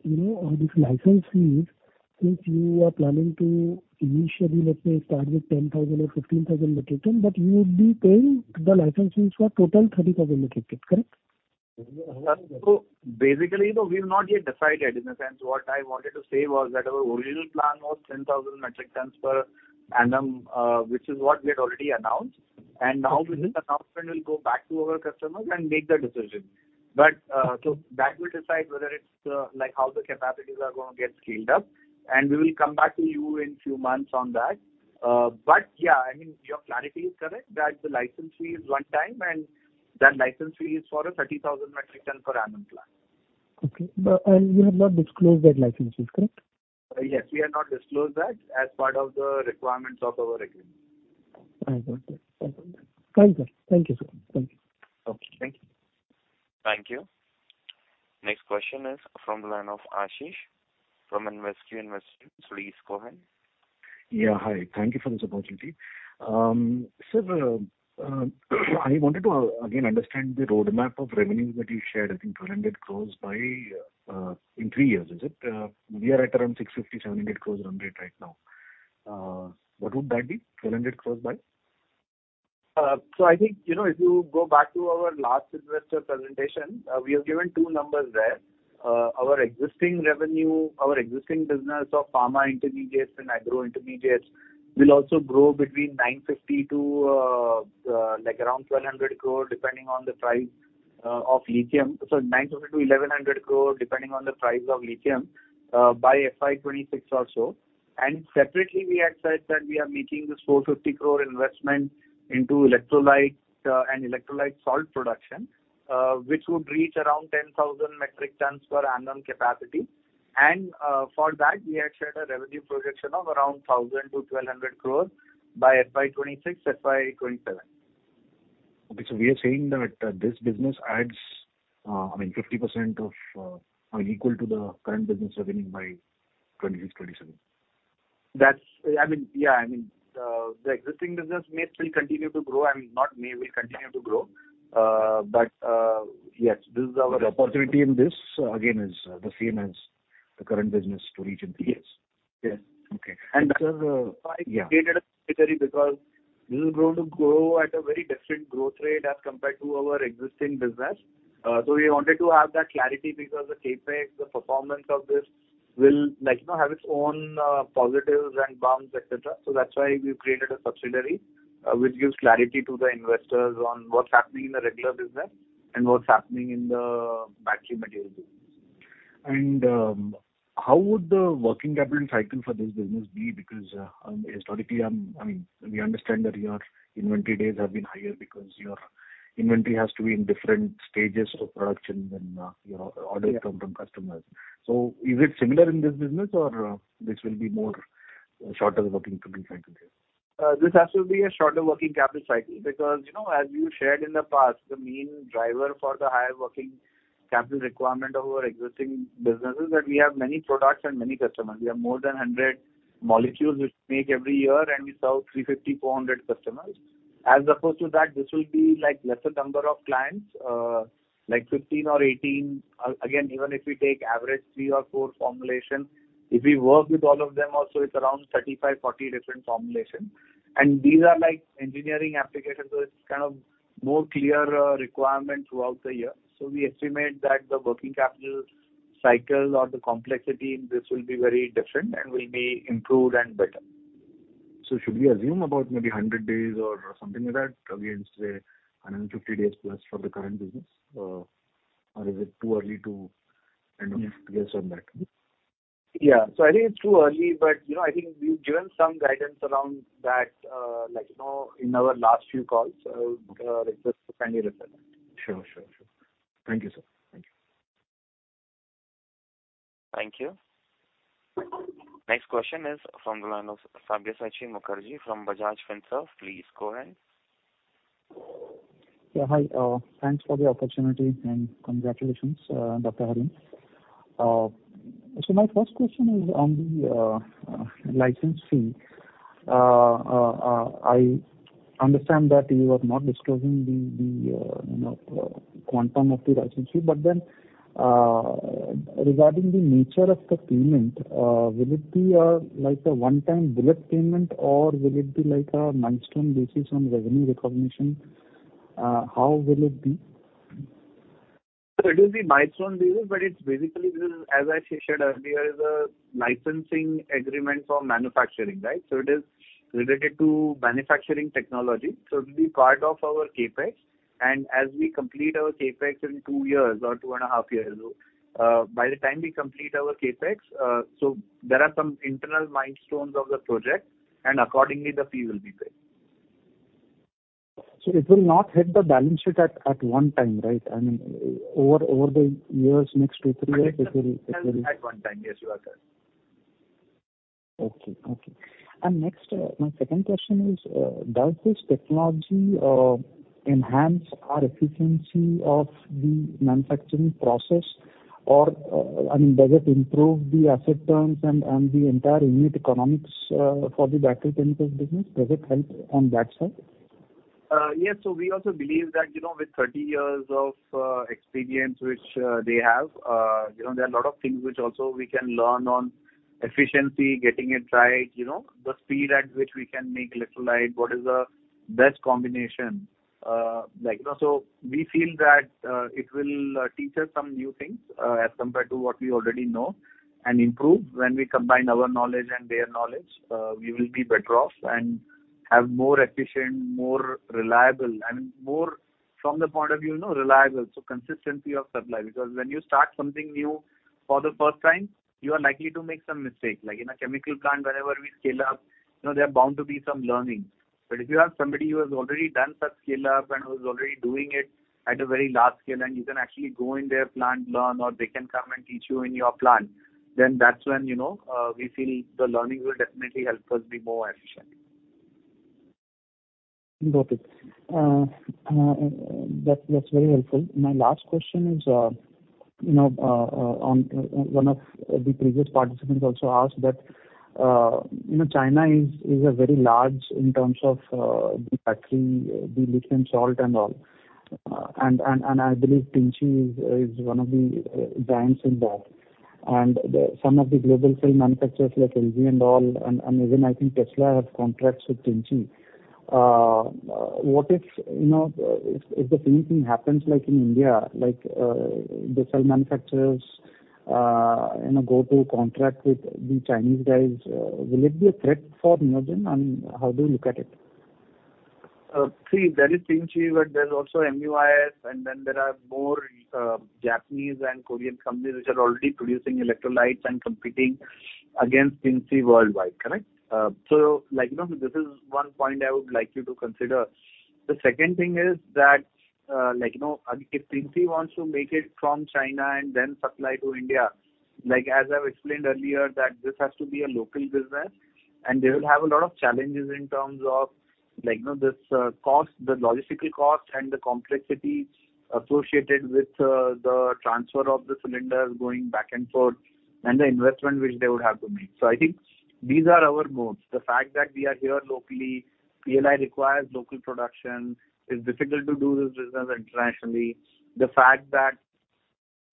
you know, this license fees, since you are planning to initially, let's say, start with 10,000 or 15,000 metric ton, but you would be paying the license fees for total 30,000 metric ton. Correct? Basically, you know, we've not yet decided. In a sense, what I wanted to say was that our original plan was 10,000 metric tons per annum, which is what we had already announced. Now with this announcement, we'll go back to our customers and make the decision. That will decide whether it's, like, how the capacities are gonna get scaled up. We will come back to you in few months on that. Yeah, I mean, your clarity is correct that the license fee is one time and that license fee is for a 30,000 metric ton per annum plan. Okay. You have not disclosed that license fee, correct? Yes. We have not disclosed that as part of the requirements of our agreement. I got it. Thank you. Fine, sir. Thank you, sir. Thank you. Okay. Thank you. Thank you. Next question is from the line of Ashish from Invest & Invest. Please go ahead. Yeah. Hi. Thank you for this opportunity. I wanted to again understand the roadmap of revenue that you shared, I think 1,200 crores by, in 3 years, is it? We are at around 650-700 crores run rate right now. What would that be? 1,200 crores by? I think, you know, if you go back to our last investor presentation, we have given two numbers there. Our existing revenue, our existing business of pharma intermediates and agro intermediates will also grow between 950 crore to like around 1,200 crore, depending on the price of lithium. 950 crore-1,100 crore, depending on the price of lithium, by FY26 or so. Separately we had said that we are making this 450 crore investment into electrolyte and electrolyte salt production, which would reach around 10,000 metric tons per annum capacity. For that, we had shared a revenue projection of around 1,000 crore-1,200 crore by FY26, FY27. We are saying that this business adds, I mean, 50% of, I mean, equal to the current business revenue by 2026, 2027. That's. I mean, yeah. I mean, the existing business may still continue to grow and not may, will continue to grow. Yes, this is our- The opportunity in this, again, is the same as the current business to reach in three years. Yes. Okay. That's why we created a subsidiary, because this is going to grow at a very different growth rate as compared to our existing business. We wanted to have that clarity because the CapEx, the performance of this will like, you know, have its own, positives and bounds, et cetera. That's why we've created a subsidiary, which gives clarity to the investors on what's happening in the regular business and what's happening in the battery material business. How would the working capital cycle for this business be? Historically, I mean, we understand that your inventory days have been higher because your inventory has to be in different stages of production than your orders come from customers. Is it similar in this business or this will be more shorter working capital cycle here? This has to be a shorter working capital cycle because, you know, as you shared in the past, the main driver for the higher working capital requirement of our existing business is that we have many products and many customers. We have more than 100 molecules which make every year, and we serve 350, 400 customers. As opposed to that, this will be like lesser number of clients, like 15 or 18. Even if we take average three or four formulations, if we work with all of them also, it's around 35, 40 different formulations. These are like engineering applications, so it's kind of more clear requirement throughout the year. We estimate that the working capital cycle or the complexity in this will be very different and will be improved and better. Should we assume about maybe 100 days or something like that against, say, 150 days plus for the current business? Or is it too early to kind of guess on that? Yeah. I think it's too early, but, you know, I think we've given some guidance around that, like, you know, in our last few calls. Just kindly refer that. Sure. Sure. Sure. Thank you, sir. Thank you. Thank you. Next question is from the line of Sabyasachi Mukerji from Bajaj Finserv. Please go ahead. Yeah. Hi. Thanks for the opportunity, and congratulations, Dr. Harin. My first question is on the license fee. I understand that you are not disclosing the, you know, quantum of the license fee. Regarding the nature of the payment, will it be a, like a one-time bullet payment or will it be like a milestone basis on revenue recognition? How will it be? It will be milestone basis, but it's basically this is, as I said earlier, is a licensing agreement for manufacturing, right? It is related to manufacturing technology, it'll be part of our CapEx. As we complete our CapEx in 2 years or 2 and a half years, by the time we complete our CapEx, there are some internal milestones of the project, and accordingly the fee will be paid. It will not hit the balance sheet at one time, right? I mean, over the years, next 2, 3 years it will. At one time. Yes, you are correct. Okay. Okay. Next, my second question is, does this technology enhance our efficiency of the manufacturing process or, I mean, does it improve the asset terms and the entire unit economics for the battery chemicals business? Does it help on that side? Yes. We also believe that, you know, with 30 years of experience, which they have, you know, there are a lot of things which also we can learn on efficiency, getting it right, you know, the speed at which we can make electrolyte, what is the best combination. Like, you know, we feel that it will teach us some new things as compared to what we already know and improve. When we combine our knowledge and their knowledge, we will be better off and have more efficient, more reliable, and more from the point of view, you know, reliable. Consistency of supply. When you start something new for the first time, you are likely to make some mistakes. Like in a chemical plant, whenever we scale up, you know, there are bound to be some learning. If you have somebody who has already done such scale-up and who's already doing it at a very large scale, and you can actually go in their plant, learn, or they can come and teach you in your plant, then that's when, you know, we feel the learning will definitely help us be more efficient. Got it. That's very helpful. My last question is, you know, on one of the previous participants also asked that, you know, China is a very large in terms of the battery, the lithium salt and all. I believe Tinci is one of the giants in that. The some of the global cell manufacturers like LG and all, and even I think Tesla have contracts with Tinci. What if, you know, if the same thing happens like in India, like the cell manufacturers, you know, go to contract with the Chinese guys, will it be a threat for Neogen? How do you look at it? See, there is Tinci, but there's also MUIS and then there are more Japanese and Korean companies which are already producing electrolytes and competing against Tinci worldwide. Correct? Like, you know, this is one point I would like you to consider. The second thing is that, like, you know, if Tinci wants to make it from China and then supply to India, like as I've explained earlier, that this has to be a local business and they will have a lot of challenges in terms of like, you know, this cost, the logistical cost and the complexity associated with the transfer of the cylinders going back and forth and the investment which they would have to make. I think these are our moats. The fact that we are here locally. PLI requires local production. It's difficult to do this business internationally. The fact that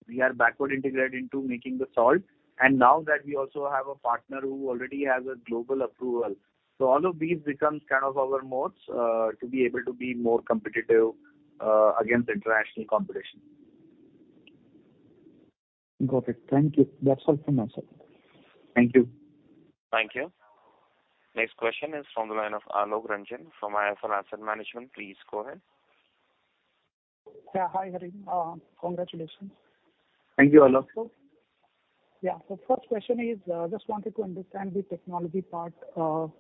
we are backward integrated into making the salt, and now that we also have a partner who already has a global approval. All of these becomes kind of our moats to be able to be more competitive against international competition. Got it. Thank you. That's all from my side. Thank you. Thank you. Next question is from the line of Alok Ranjan from IIFL Asset Management. Please go ahead. Yeah. Hi, Harin. congratulations. Thank you, Alok. Yeah. First question is, just wanted to understand the technology part more.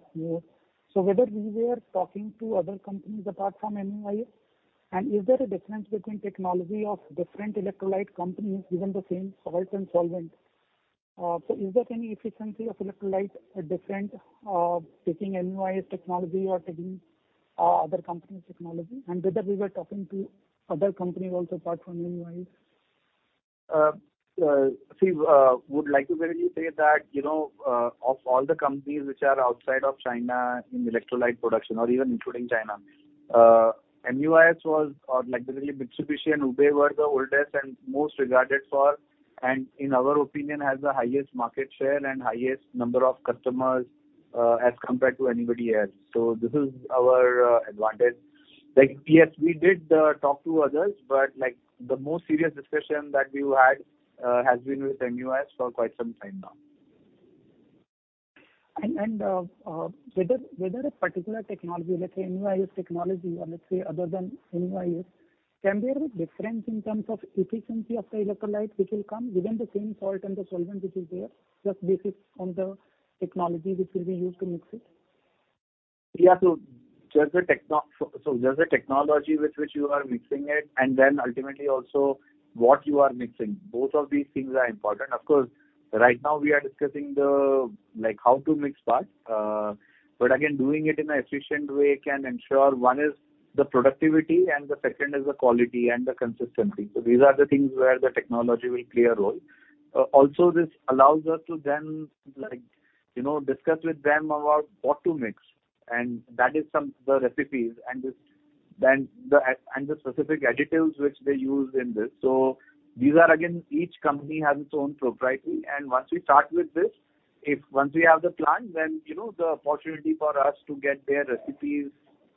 Whether we were talking to other companies apart from MUIS, and is there a difference between technology of different electrolyte companies, given the same salt and solvent? Is there any efficiency of electrolyte different, taking MUIS technology or taking other company's technology? Whether we were talking to other companies also apart from MUIS? See, would like to clearly say that, you know, of all the companies which are outside of China in electrolyte production or even including China, MUIS was, or like basically Mitsubishi and UBE were the oldest and most regarded for, and in our opinion, has the highest market share and highest number of customers, as compared to anybody else. This is our advantage. Like, yes, we did talk to others, but like the most serious discussion that we've had, has been with MUIS for quite some time now. Whether a particular technology, let's say MUIS technology or let's say other than MUIS, can there be difference in terms of efficiency of the electrolyte which will come given the same salt and the solvent which is there, just based on the technology which will be used to mix it? Yeah. Just the technology with which you are mixing it and then ultimately also what you are mixing, both of these things are important. Of course, right now we are discussing the, like, how to mix part. Again, doing it in an efficient way can ensure one is the productivity and the second is the quality and the consistency. These are the things where the technology will play a role. Also this allows us to then you know, discuss with them about what to mix, and that is the recipes and the specific additives which they use in this. These are, again, each company has its own propriety. Once we start with this, if once we have the plan, then, you know, the opportunity for us to get their recipes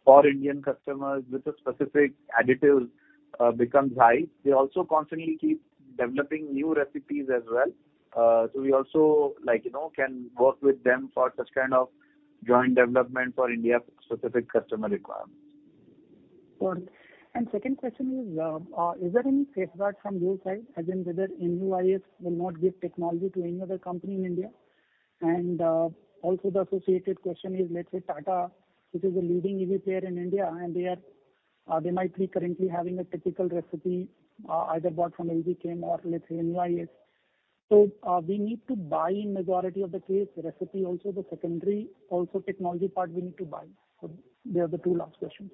for Indian customers with a specific additive, becomes high. They also constantly keep developing new recipes as well. We also like, you know, can work with them for such kind of joint development for India-specific customer requirements. Got it. Second question is there any safeguard from your side, as in whether MUIS will not give technology to any other company in India? Also the associated question is, let's say Tata, which is a leading EV player in India, and they are, they might be currently having a typical recipe, either bought from ABK or let's say MUIS. We need to buy in majority of the case recipe also the secondary also technology part we need to buy. They are the two last questions.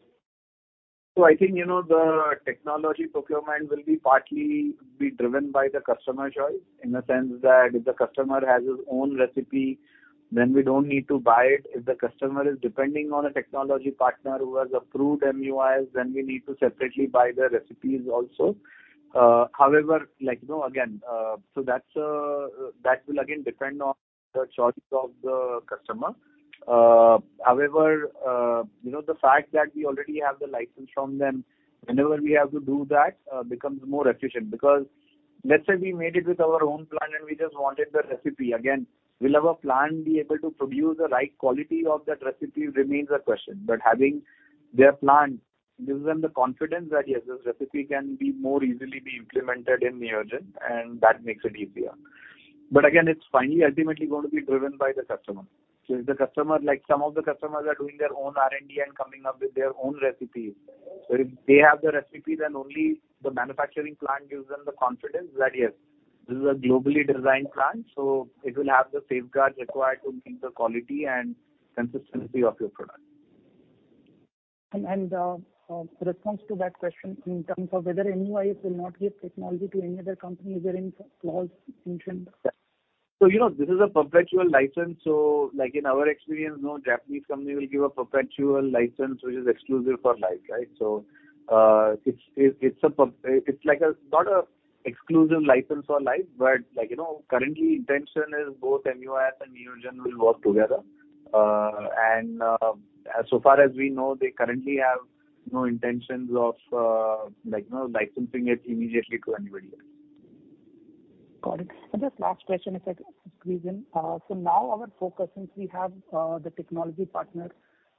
I think, you know, the technology procurement will be partly be driven by the customer choice, in the sense that if the customer has his own recipe, then we don't need to buy it. If the customer is depending on a technology partner who has approved MUIS, then we need to separately buy the recipes also. However, you know, again, that will again depend on the choice of the customer. However, you know, the fact that we already have the license from them, whenever we have to do that, becomes more efficient. Because let's say we made it with our own plan and we just wanted the recipe. Again, will our plan be able to produce the right quality of that recipe remains a question. Having their plan gives them the confidence that, yes, this recipe can be more easily be implemented in Neogen, and that makes it easier. Again, it's finally ultimately going to be driven by the customer. Like, some of the customers are doing their own R&D and coming up with their own recipes. If they have the recipe, then only the manufacturing plan gives them the confidence that, yes, this is a globally designed plan, so it will have the safeguards required to meet the quality and consistency of your product. Response to that question in terms of whether MUIS will not give technology to any other company, is there any clause mentioned? You know, this is a perpetual license. Like in our experience, no Japanese company will give a perpetual license which is exclusive for life, right? It's like a, not a exclusive license for life, but like, you know, currently intention is both MUIS and Neogen will work together. So far as we know, they currently have no intentions of, like, you know, licensing it immediately to anybody else. Got it. Just last question if I could squeeze in? Now our focus, since we have, the technology partner,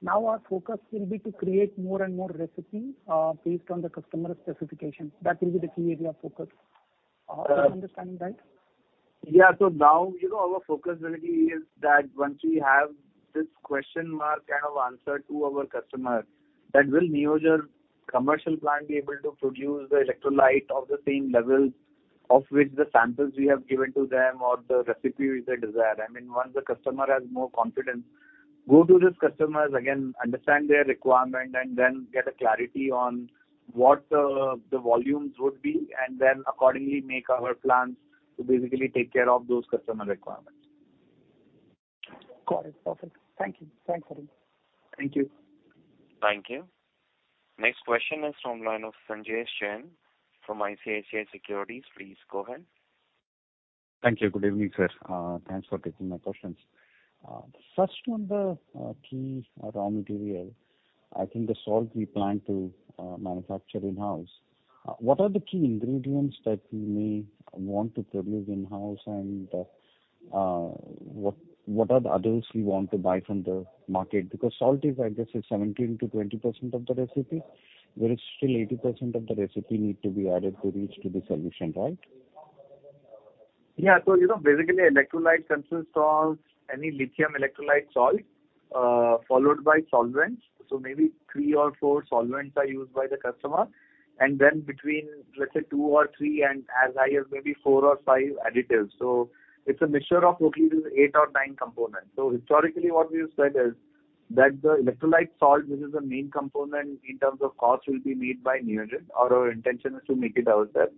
now our focus will be to create more and more recipes, based on the customer specification. That will be the key area of focus. Am I understanding right? Now, you know, our focus really is that once we have this question mark kind of answered to our customer that will Neogen commercial plan be able to produce the electrolyte of the same level of which the samples we have given to them or the recipe which they desire. I mean, once the customer has more confidence, go to this customers, again, understand their requirement and then get a clarity on what the volumes would be, and then accordingly make our plans to basically take care of those customer requirements. Got it. Perfect. Thank you. Thanks, Adeel. Thank you. Thank you. Next question is from line of Sanjay Shen from ICICI Securities. Please go ahead. Thank you. Good evening, sir. Thanks for taking my questions. First on the key raw material. I think the salt we plan to manufacture in-house. What are the key ingredients that we may want to produce in-house and what are the others we want to buy from the market? Salt is, I guess, is 17%-20% of the recipe. There is still 80% of the recipe need to be added to reach to the solution, right? Yeah. you know, basically electrolyte consists of any lithium electrolyte salt, followed by solvents. Maybe three or four solvents are used by the customer. Then between, let's say two or three and as high as maybe four or five additives. It's a mixture of roughly eight or nine components. Historically what we have said is that the electrolyte salt, which is the main component in terms of cost, will be made by Neogen, or our intention is to make it ourselves.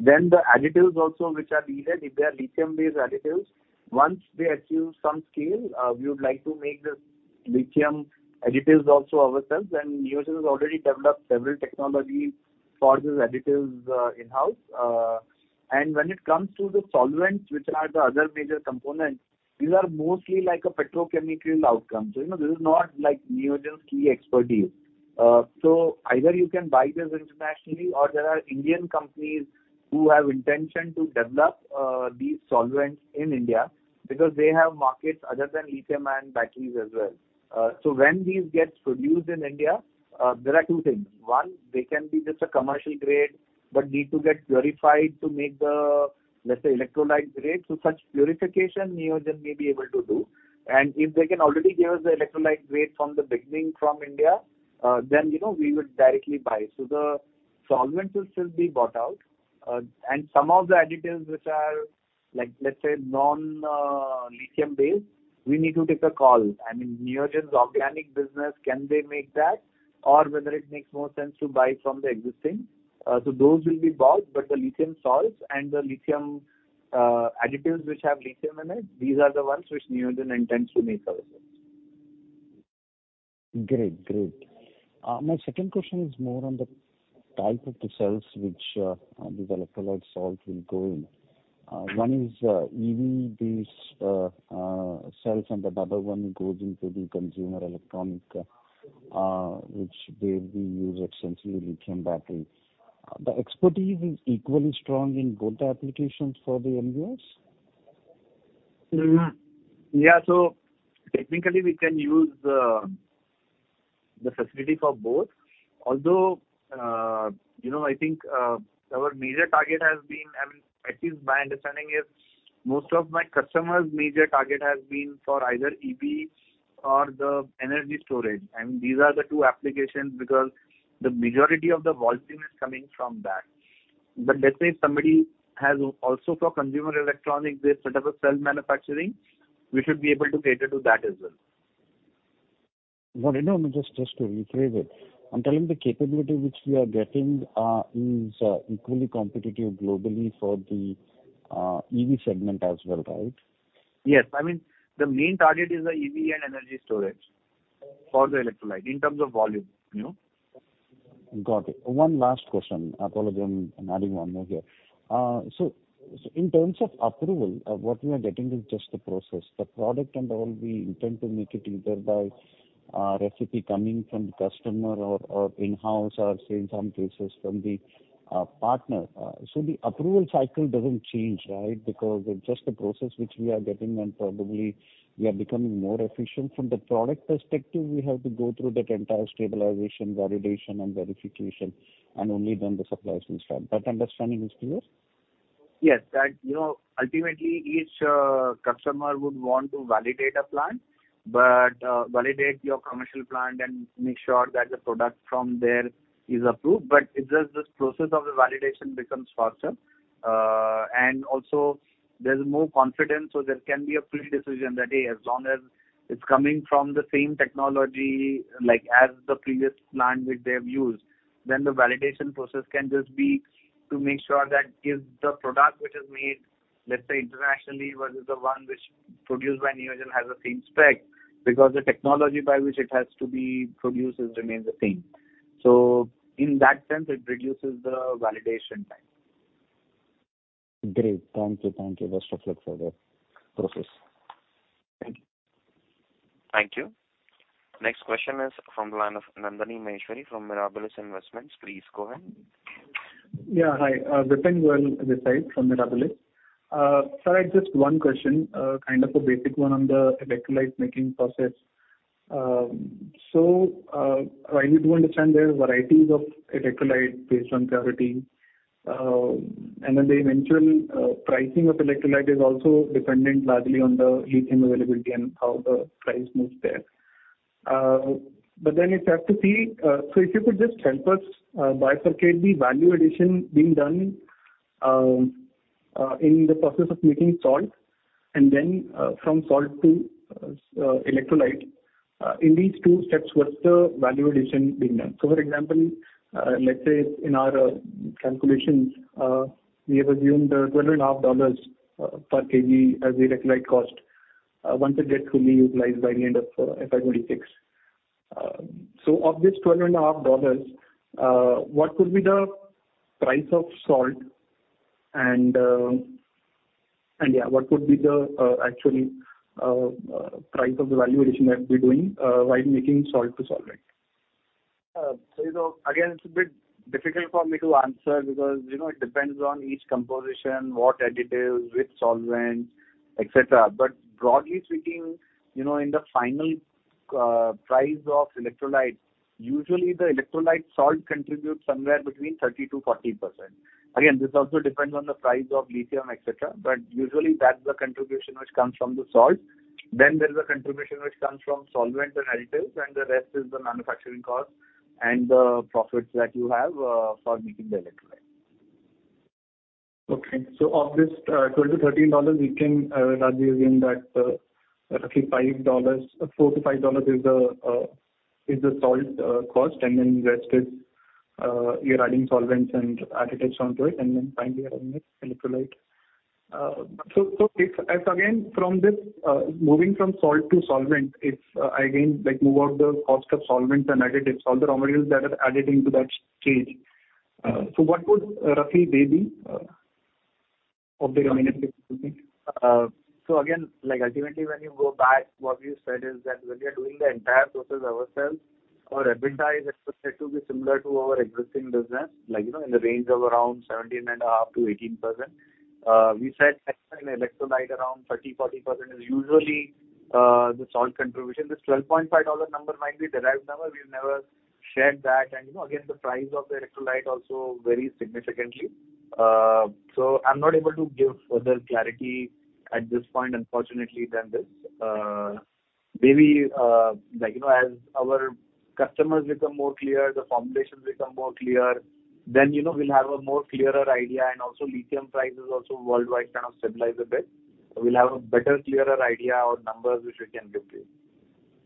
The additives also which are needed, if they are lithium-based additives, once we achieve some scale, we would like to make the lithium additives also ourselves. Neogen has already developed several technology for these additives, in-house. When it comes to the solvents, which are the other major components, these are mostly like a petrochemical outcome. you know, this is not like Neogen's key expertise. Either you can buy this internationally or there are Indian companies who have intention to develop these solvents in India because they have markets other than lithium-ion batteries as well. When these get produced in India, there are two things. One, they can be just a commercial grade, but need to get purified to make the, let's say, electrolyte grade. Such purification Neogen may be able to do. If they can already give us the electrolyte grade from the beginning from India, you know, we would directly buy. The solvents will still be bought out. Some of the additives which are like, let's say non, lithium-based, we need to take a call. I mean, Neogen's organic business, can they make that? Whether it makes more sense to buy from the existing. Those will be bought. The lithium salts and the lithium additives which have lithium in it, these are the ones which Neogen intends to make ourselves. Great. Great. My second question is more on the type of the cells which these electrolyte salts will go in. One is EV-based cells, and the other one goes into the consumer electronic which they'll be used extensively lithium battery. The expertise is equally strong in both the applications for the NVOs? Mm-hmm. Yeah. Technically we can use the facility for both. Although, you know, I think, our major target has been, I mean, at least my understanding is most of my customers' major target has been for either EV or the energy storage. These are the two applications because the majority of the volume is coming from that. Let's say if somebody has also for consumer electronic, they set up a cell manufacturing, we should be able to cater to that as well. No, no, just to rephrase it. I'm telling the capability which we are getting, is equally competitive globally for the EV segment as well, right? Yes. I mean, the main target is the EV and energy storage for the electrolyte in terms of volume, you know? Got it. One last question. Apologies, I'm adding one more here. In terms of approval, what we are getting is just the process. The product and all we intend to make it either by recipe coming from the customer or in-house or say in some cases from the partner. The approval cycle doesn't change, right? Because it's just a process which we are getting and probably we are becoming more efficient. From the product perspective, we have to go through that entire stabilization, validation and verification, and only then the supplies will start. That understanding is clear? Yes. That, you know, ultimately each customer would want to validate a plant, but validate your commercial plant and make sure that the product from there is approved. It's just this process of the validation becomes faster. Also there's more confidence, so there can be a pre-decision that, hey, as long as it's coming from the same technology, like as the previous plant which they have used, then the validation process can just be to make sure that is the product which is made, let's say internationally, versus the one which produced by Neogen has the same spec because the technology by which it has to be produced remains the same. In that sense, it reduces the validation time. Great. Thank you. Thank you. Best of luck for the process. Thank you. Thank you. Next question is from the line of Nandini Maheshwari from Mirabilis Investments. Please go ahead. Yeah. Hi, Vipin Gore this side from Mirabilis. Sir, I have just one question, kind of a basic one on the electrolyte making process. While we do understand there are varieties of electrolyte based on purity, the eventual pricing of electrolyte is also dependent largely on the lithium availability and how the price moves there. If you could just help us bifurcate the value addition being done in the process of making salt from salt to electrolyte. In these two steps, what's the value addition being done? For example, let's say in our calculations, we have assumed twelve and a half USD per kg as the electrolyte cost, once it gets fully utilized by the end of FY26. Of this twelve and a half USD, what could be the price of salt and yeah, what would be the actually price of the value addition that we're doing while making salt to solvent? You know, again, it's a bit difficult for me to answer because, you know, it depends on each composition, what additives, which solvents, et cetera. Broadly speaking, you know, in the final price of electrolytes, usually the electrolyte salt contributes somewhere between 30%-40%. This also depends on the price of lithium, et cetera, but usually that's the contribution which comes from the salt. There is a contribution which comes from solvents and additives, and the rest is the manufacturing cost and the profits that you have for making the electrolyte. Of this, $12-$13, we can roughly assume that roughly $4-$5 is the salt cost, and then rest is you're adding solvents and additives onto it, and then finally you're having it electrolyte. If, as again, from this, moving from salt to solvent, if again, like move out the cost of solvents and additives, all the raw materials that are added into that change, so what would roughly they be of the raw material, do you think? Again, like ultimately when you go back, what you said is that when we are doing the entire process ourselves, our EBITDA is expected to be similar to our existing business, like, you know, in the range of around 17.5%-18%. We said in electrolyte around 30%, 40% is usually, the salt contribution. This $12.5 number might be derived number. We've never shared that. You know, again, the price of the electrolyte also varies significantly. I'm not able to give further clarity at this point, unfortunately, than this. Maybe, like, you know, as our customers become more clear, the formulations become more clear, then, you know, we'll have a more clearer idea. Also lithium prices also worldwide kind of stabilize a bit. We'll have a better, clearer idea or numbers which we can give you.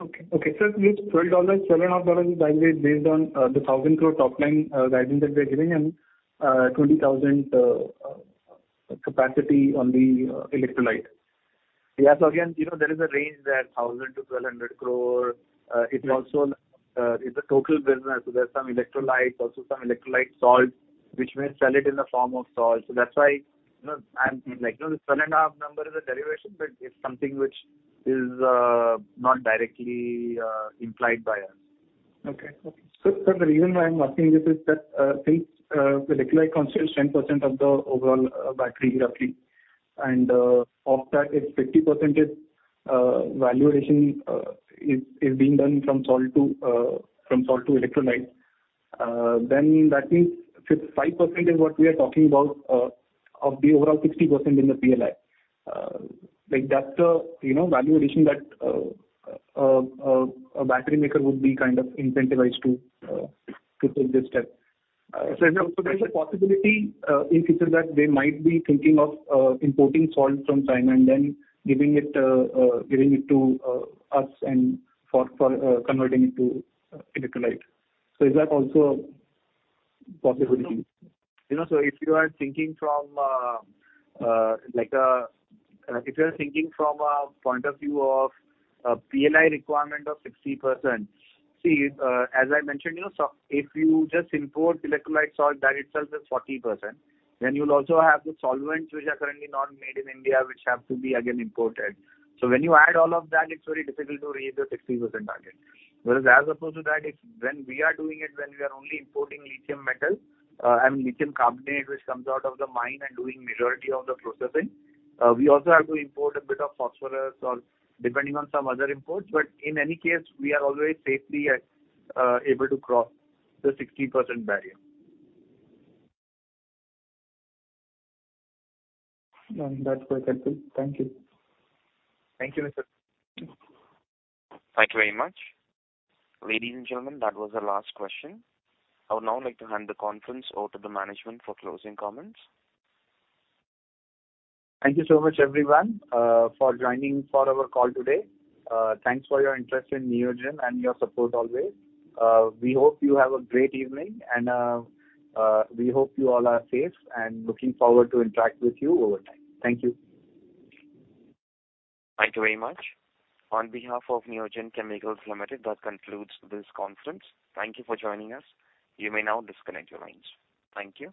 Okay. Okay. This $12, seven and a half dollars is likely based on the 1,000 crore top line guidance that they're giving and 20,000 capacity on the electrolyte. Yes. Again, you know, there is a range there, 1,000 crore-1,200 crore. It's also, it's a total business. There's some electrolytes, also some electrolyte salts, which may sell it in the form of salt. That's why, you know, I'm like, you know, the seven and a half number is a derivation, but it's something which is, not directly, implied by us. Okay. Okay. The reason why I'm asking this is that since the electrolyte constitutes 10% of the overall battery roughly, and of that if 50% is valuation is being done from salt to from salt to electrolyte, then that means if 5% is what we are talking about of the overall 60% in the PLI, like that's the, you know, value addition that a battery maker would be kind of incentivized to take this step. Is there a possibility in future that they might be thinking of importing salt from China and then giving it to us and for converting it to electrolyte? Is that also a possibility? You know, if you are thinking from a point of view of a PLI requirement of 60%, as I mentioned, you know, if you just import electrolyte salt, that itself is 40%. You'll also have the solvents which are currently not made in India, which have to be again imported. When you add all of that, it's very difficult to reach the 60% target. Whereas as opposed to that, if when we are doing it, when we are only importing lithium metal, I mean lithium carbonate, which comes out of the mine and doing majority of the processing, we also have to import a bit of phosphorus or depending on some other imports. In any case, we are always safely at able to cross the 60% barrier. That's quite helpful. Thank you. Thank you, mister. Thank you very much. Ladies and gentlemen, that was our last question. I would now like to hand the conference over to the management for closing comments. Thank you so much everyone for joining for our call today. Thanks for your interest in Neogen and your support always. We hope you have a great evening and, we hope you all are safe and looking forward to interact with you over time. Thank you. Thank you very much. On behalf of Neogen Chemicals Limited, that concludes this conference. Thank you for joining us. You may now disconnect your lines. Thank you.